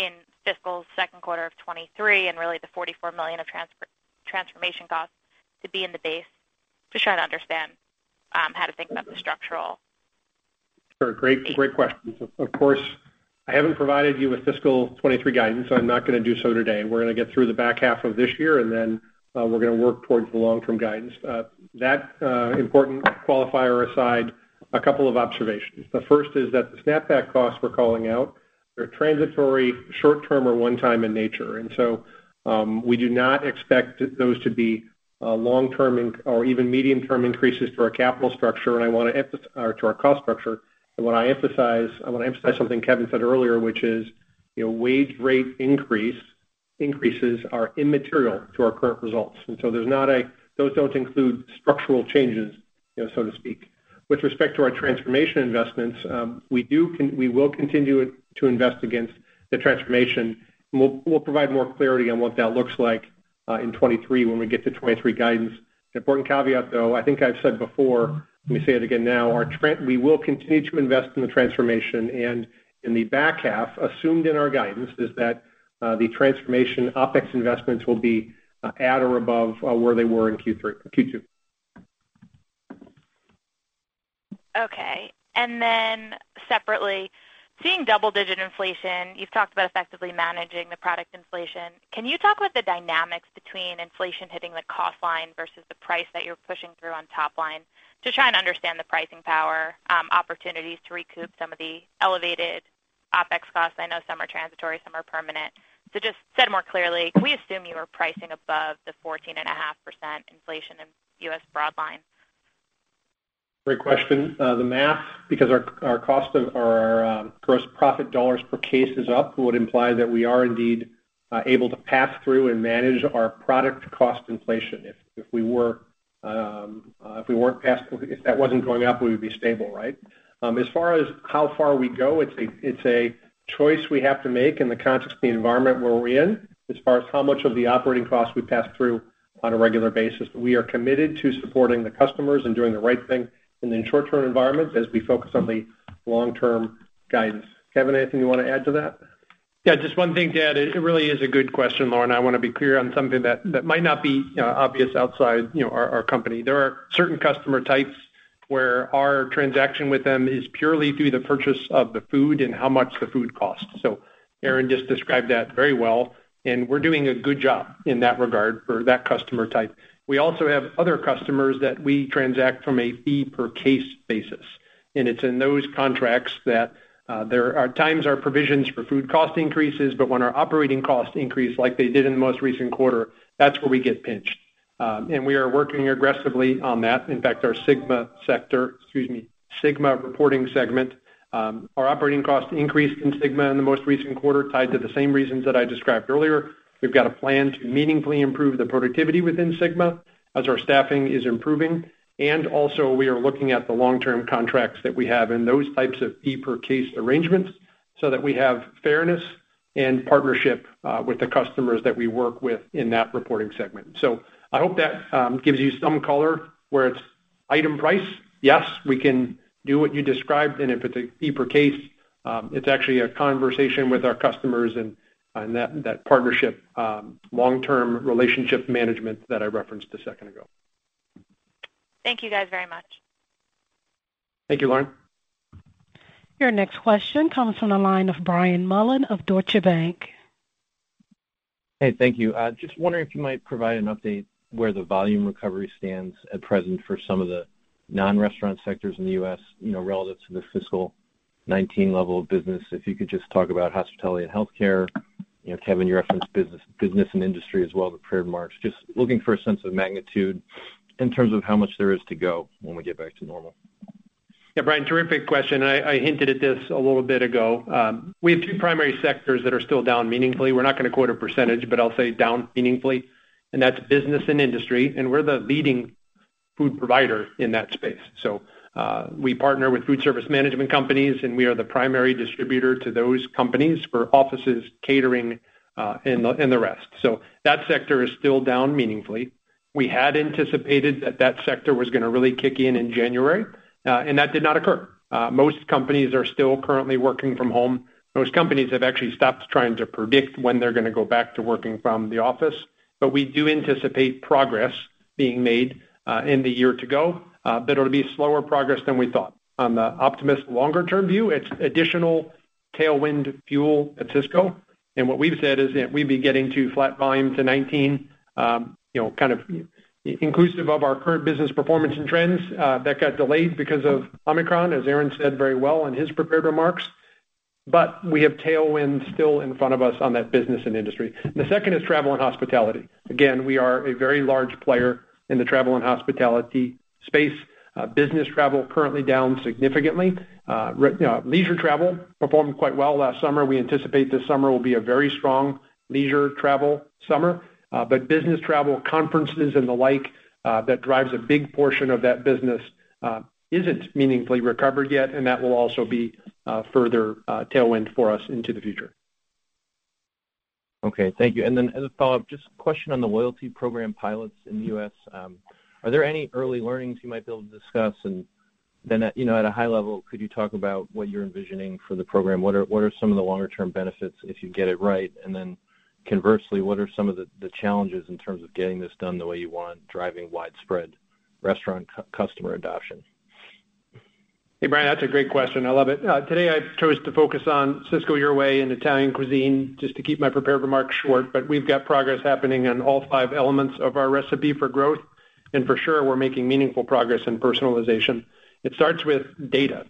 in fiscal second quarter of 2023 and really the $44 million of transformation costs to be in the base? Just trying to understand how to think about the structural. Sure. Great question. Of course, I haven't provided you with fiscal 2023 guidance, so I'm not gonna do so today. We're gonna get through the back half of this year, and then, we're gonna work towards the long-term guidance. Important qualifier aside, a couple of observations. The first is that the snapback costs we're calling out, they're transitory, short-term or one-time in nature. We do not expect those to be long-term or even medium-term increases to our cost structure, and I want to emphasize something Kevin said earlier, which is, you know, wage rate increases are immaterial to our current results. Those don't include structural changes, you know, so to speak. With respect to our transformation investments, we will continue to invest against the transformation. We'll provide more clarity on what that looks like in 2023 when we get to 2023 guidance. Important caveat, though, I think I've said before, let me say it again now. We will continue to invest in the transformation and in the back half. Assumed in our guidance is that the transformation OpEx investments will be at or above where they were in Q2. Okay. Separately, seeing double-digit inflation, you've talked about effectively managing the product inflation. Can you talk about the dynamics between inflation hitting the cost line versus the price that you're pushing through on top line? Just trying to understand the pricing power, opportunities to recoup some of the elevated OpEx costs. I know some are transitory, some are permanent. Just said more clearly, can we assume you are pricing above the 14.5% inflation in U.S. broadline? Great question. The math, because our gross profit dollars per case is up, would imply that we are indeed able to pass through and manage our product cost inflation. If that wasn't going up, we would be stable, right? As far as how far we go, it's a choice we have to make in the context of the environment where we're in as far as how much of the operating costs we pass through on a regular basis. We are committed to supporting the customers and doing the right thing in the short term environment as we focus on the long term guidance. Kevin, anything you wanna add to that? Yeah, just one thing to add. It really is a good question, Lauren. I wanna be clear on something that might not be, you know, obvious outside, you know, our company. There are certain customer types where our transaction with them is purely through the purchase of the food and how much the food costs. Aaron just described that very well, and we're doing a good job in that regard for that customer type. We also have other customers that we transact from a fee per case basis. It's in those contracts that there are times our provisions for food cost increases, but when our operating costs increase like they did in the most recent quarter, that's where we get pinched. We are working aggressively on that. In fact, our SYGMA reporting segment, our operating costs increased in SYGMA in the most recent quarter, tied to the same reasons that I described earlier. We've got a plan to meaningfully improve the productivity within SYGMA as our staffing is improving. Also we are looking at the long term contracts that we have in those types of fee per case arrangements, so that we have fairness and partnership with the customers that we work with in that reporting segment. I hope that gives you some color where it's item price. Yes, we can do what you described. If it's a fee per case, it's actually a conversation with our customers and that partnership long-term relationship management that I referenced a second ago. Thank you guys very much. Thank you, Lauren. Your next question comes from the line of Brian Mullan of Deutsche Bank. Hey, thank you. Just wondering if you might provide an update where the volume recovery stands at present for some of the non-restaurant sectors in the U.S., you know, relative to the fiscal 2019 level of business. If you could just talk about hospitality and healthcare. You know, Kevin, you referenced business and industry as well as prepared remarks. Just looking for a sense of magnitude in terms of how much there is to go when we get back to normal. Yeah, Brian, terrific question. I hinted at this a little bit ago. We have two primary sectors that are still down meaningfully. We're not gonna quote a percentage, but I'll say down meaningfully, and that's business and industry, and we're the leading food provider in that space. We partner with food service management companies, and we are the primary distributor to those companies for offices, catering, and the rest. That sector is still down meaningfully. We had anticipated that that sector was gonna really kick in in January, and that did not occur. Most companies are still currently working from home. Most companies have actually stopped trying to predict when they're gonna go back to working from the office. We do anticipate progress being made in the year to go, but it'll be slower progress than we thought. On the optimistic long-term view, it's additional tailwind fuel at Sysco. What we've said is that we'd be getting to flat volume to 2019, you know, kind of inclusive of our current business performance and trends, that got delayed because of Omicron, as Aaron said very well in his prepared remarks. We have tailwinds still in front of us on that business and industry. The second is travel and hospitality. Again, we are a very large player in the travel and hospitality space. Business travel currently down significantly. You know, leisure travel performed quite well last summer. We anticipate this summer will be a very strong leisure travel summer, but business travel, conferences and the like, that drives a big portion of that business, isn't meaningfully recovered yet, and that will also be further tailwind for us into the future. Okay. Thank you. Just a question on the loyalty program pilots in the U.S. Are there any early learnings you might be able to discuss? You know, at a high level, could you talk about what you're envisioning for the program? What are some of the longer term benefits if you get it right? Conversely, what are some of the challenges in terms of getting this done the way you want, driving widespread restaurant customer adoption? Hey, Brian, that's a great question. I love it. Today I chose to focus on Sysco Your Way and Italian cuisine just to keep my prepared remarks short, but we've got progress happening on all five elements of our Recipe for Growth. For sure, we're making meaningful progress in personalization. It starts with data.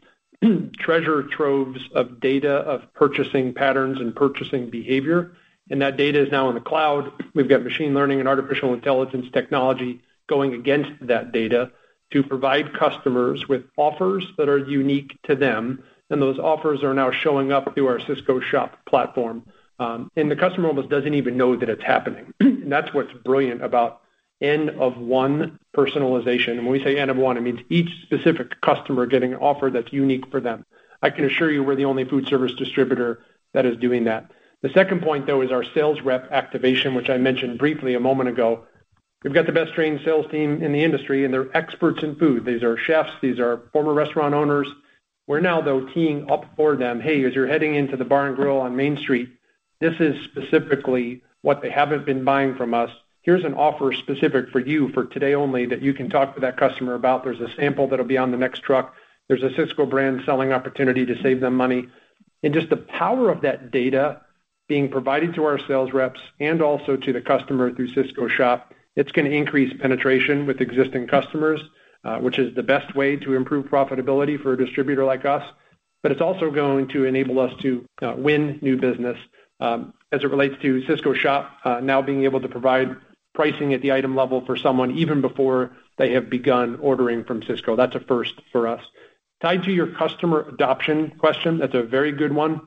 Treasure troves of data of purchasing patterns and purchasing behavior, and that data is now in the cloud. We've got machine learning and artificial intelligence technology going against that data to provide customers with offers that are unique to them, and those offers are now showing up through our Sysco Shop platform. The customer almost doesn't even know that it's happening, and that's what's brilliant about N of one personalization. When we say N of one, it means each specific customer getting an offer that's unique for them. I can assure you we're the only food service distributor that is doing that. The second point, though, is our sales rep activation, which I mentioned briefly a moment ago. We've got the best trained sales team in the industry, and they're experts in food. These are chefs, these are former restaurant owners. We're now, though, teeing up for them, "Hey, as you're heading into the bar and grill on Main Street, this is specifically what they haven't been buying from us. Here's an offer specific for you for today only that you can talk to that customer about. There's a sample that'll be on the next truck. There's a Sysco Brand selling opportunity to save them money." Just the power of that data being provided to our sales reps and also to the customer through Sysco Shop, it's gonna increase penetration with existing customers, which is the best way to improve profitability for a distributor like us. It's also going to enable us to win new business, as it relates to Sysco Shop, now being able to provide pricing at the item level for someone even before they have begun ordering from Sysco. That's a first for us. Tied to your customer adoption question, that's a very good one.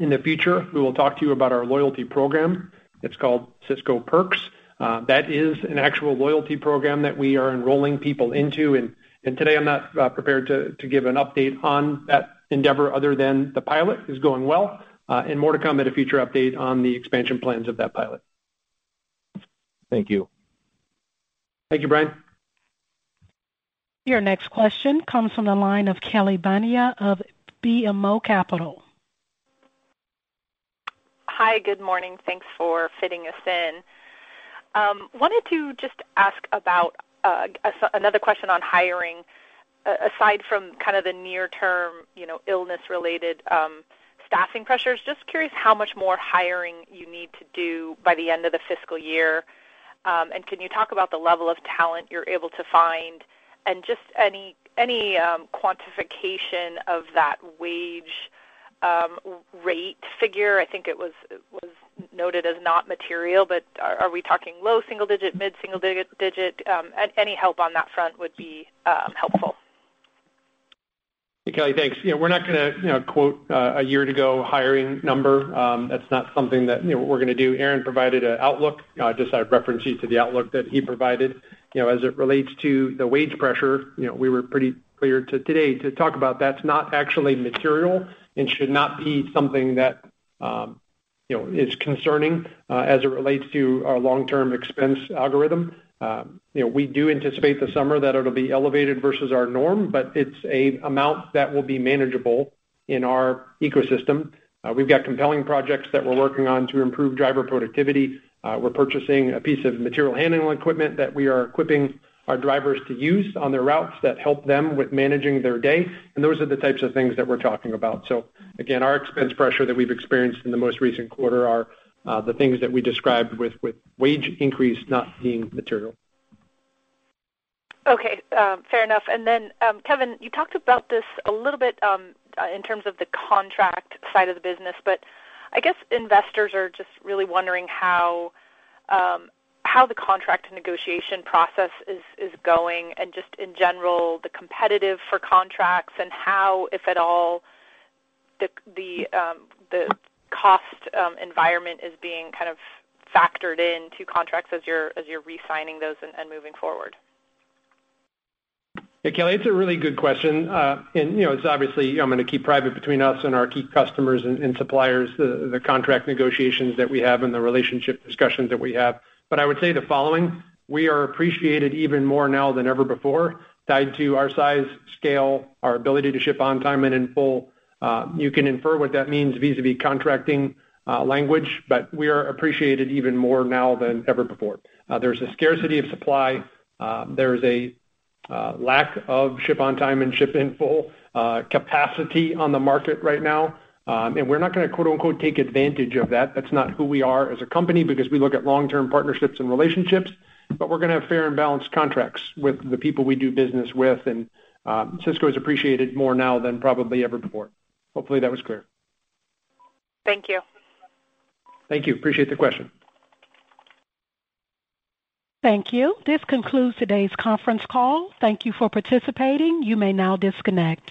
In the future, we will talk to you about our loyalty program. It's called Sysco Perks. That is an actual loyalty program that we are enrolling people into. Today I'm not prepared to give an update on that endeavor other than the pilot is going well, and more to come at a future update on the expansion plans of that pilot. Thank you. Thank you, Brian. Your next question comes from the line of Kelly Bania of BMO Capital. Hi. Good morning. Thanks for fitting us in. Wanted to just ask about another question on hiring. Aside from kind of the near term, you know, illness related staffing pressures, just curious how much more hiring you need to do by the end of the fiscal year. And can you talk about the level of talent you're able to find and just any quantification of that wage rate figure? I think it was noted as not material, but are we talking low single digit, mid single digit? Any help on that front would be helpful. Hey, Kelly. Thanks. You know, we're not gonna, you know, quote a year ago hiring number. That's not something that, you know, we're gonna do. Aaron provided an outlook. Just I'd reference you to the outlook that he provided. You know, as it relates to the wage pressure, you know, we were pretty clear today to talk about that's not actually material and should not be something that, you know, is concerning as it relates to our long-term expense algorithm. You know, we do anticipate this summer that it'll be elevated versus our norm, but it's an amount that will be manageable in our ecosystem. We've got compelling projects that we're working on to improve driver productivity. We're purchasing a piece of material handling equipment that we are equipping our drivers to use on their routes that help them with managing their day, and those are the types of things that we're talking about. Again, our expense pressure that we've experienced in the most recent quarter are the things that we described with wage increase not being material. Okay. Fair enough. Kevin, you talked about this a little bit in terms of the contract side of the business, but I guess investors are just really wondering how the contract negotiation process is going and just in general, the competitive for contracts and how, if at all, the cost environment is being kind of factored into contracts as you're re-signing those and moving forward. Yeah, Kelly, it's a really good question. You know, it's obviously, I'm gonna keep private between us and our key customers and suppliers, the contract negotiations that we have and the relationship discussions that we have. I would say the following: We are appreciated even more now than ever before, tied to our size, scale, our ability to ship on time and in full. You can infer what that means vis-à-vis contracting, language, but we are appreciated even more now than ever before. There's a scarcity of supply. There's a lack of ship on time and ship in full, capacity on the market right now. And we're not gonna, quote-unquote, "take advantage of that." That's not who we are as a company because we look at long-term partnerships and relationships. We're gonna have fair and balanced contracts with the people we do business with. Sysco is appreciated more now than probably ever before. Hopefully, that was clear. Thank you. Thank you. I appreciate the question. Thank you. This concludes today's conference call. Thank you for participating. You may now disconnect.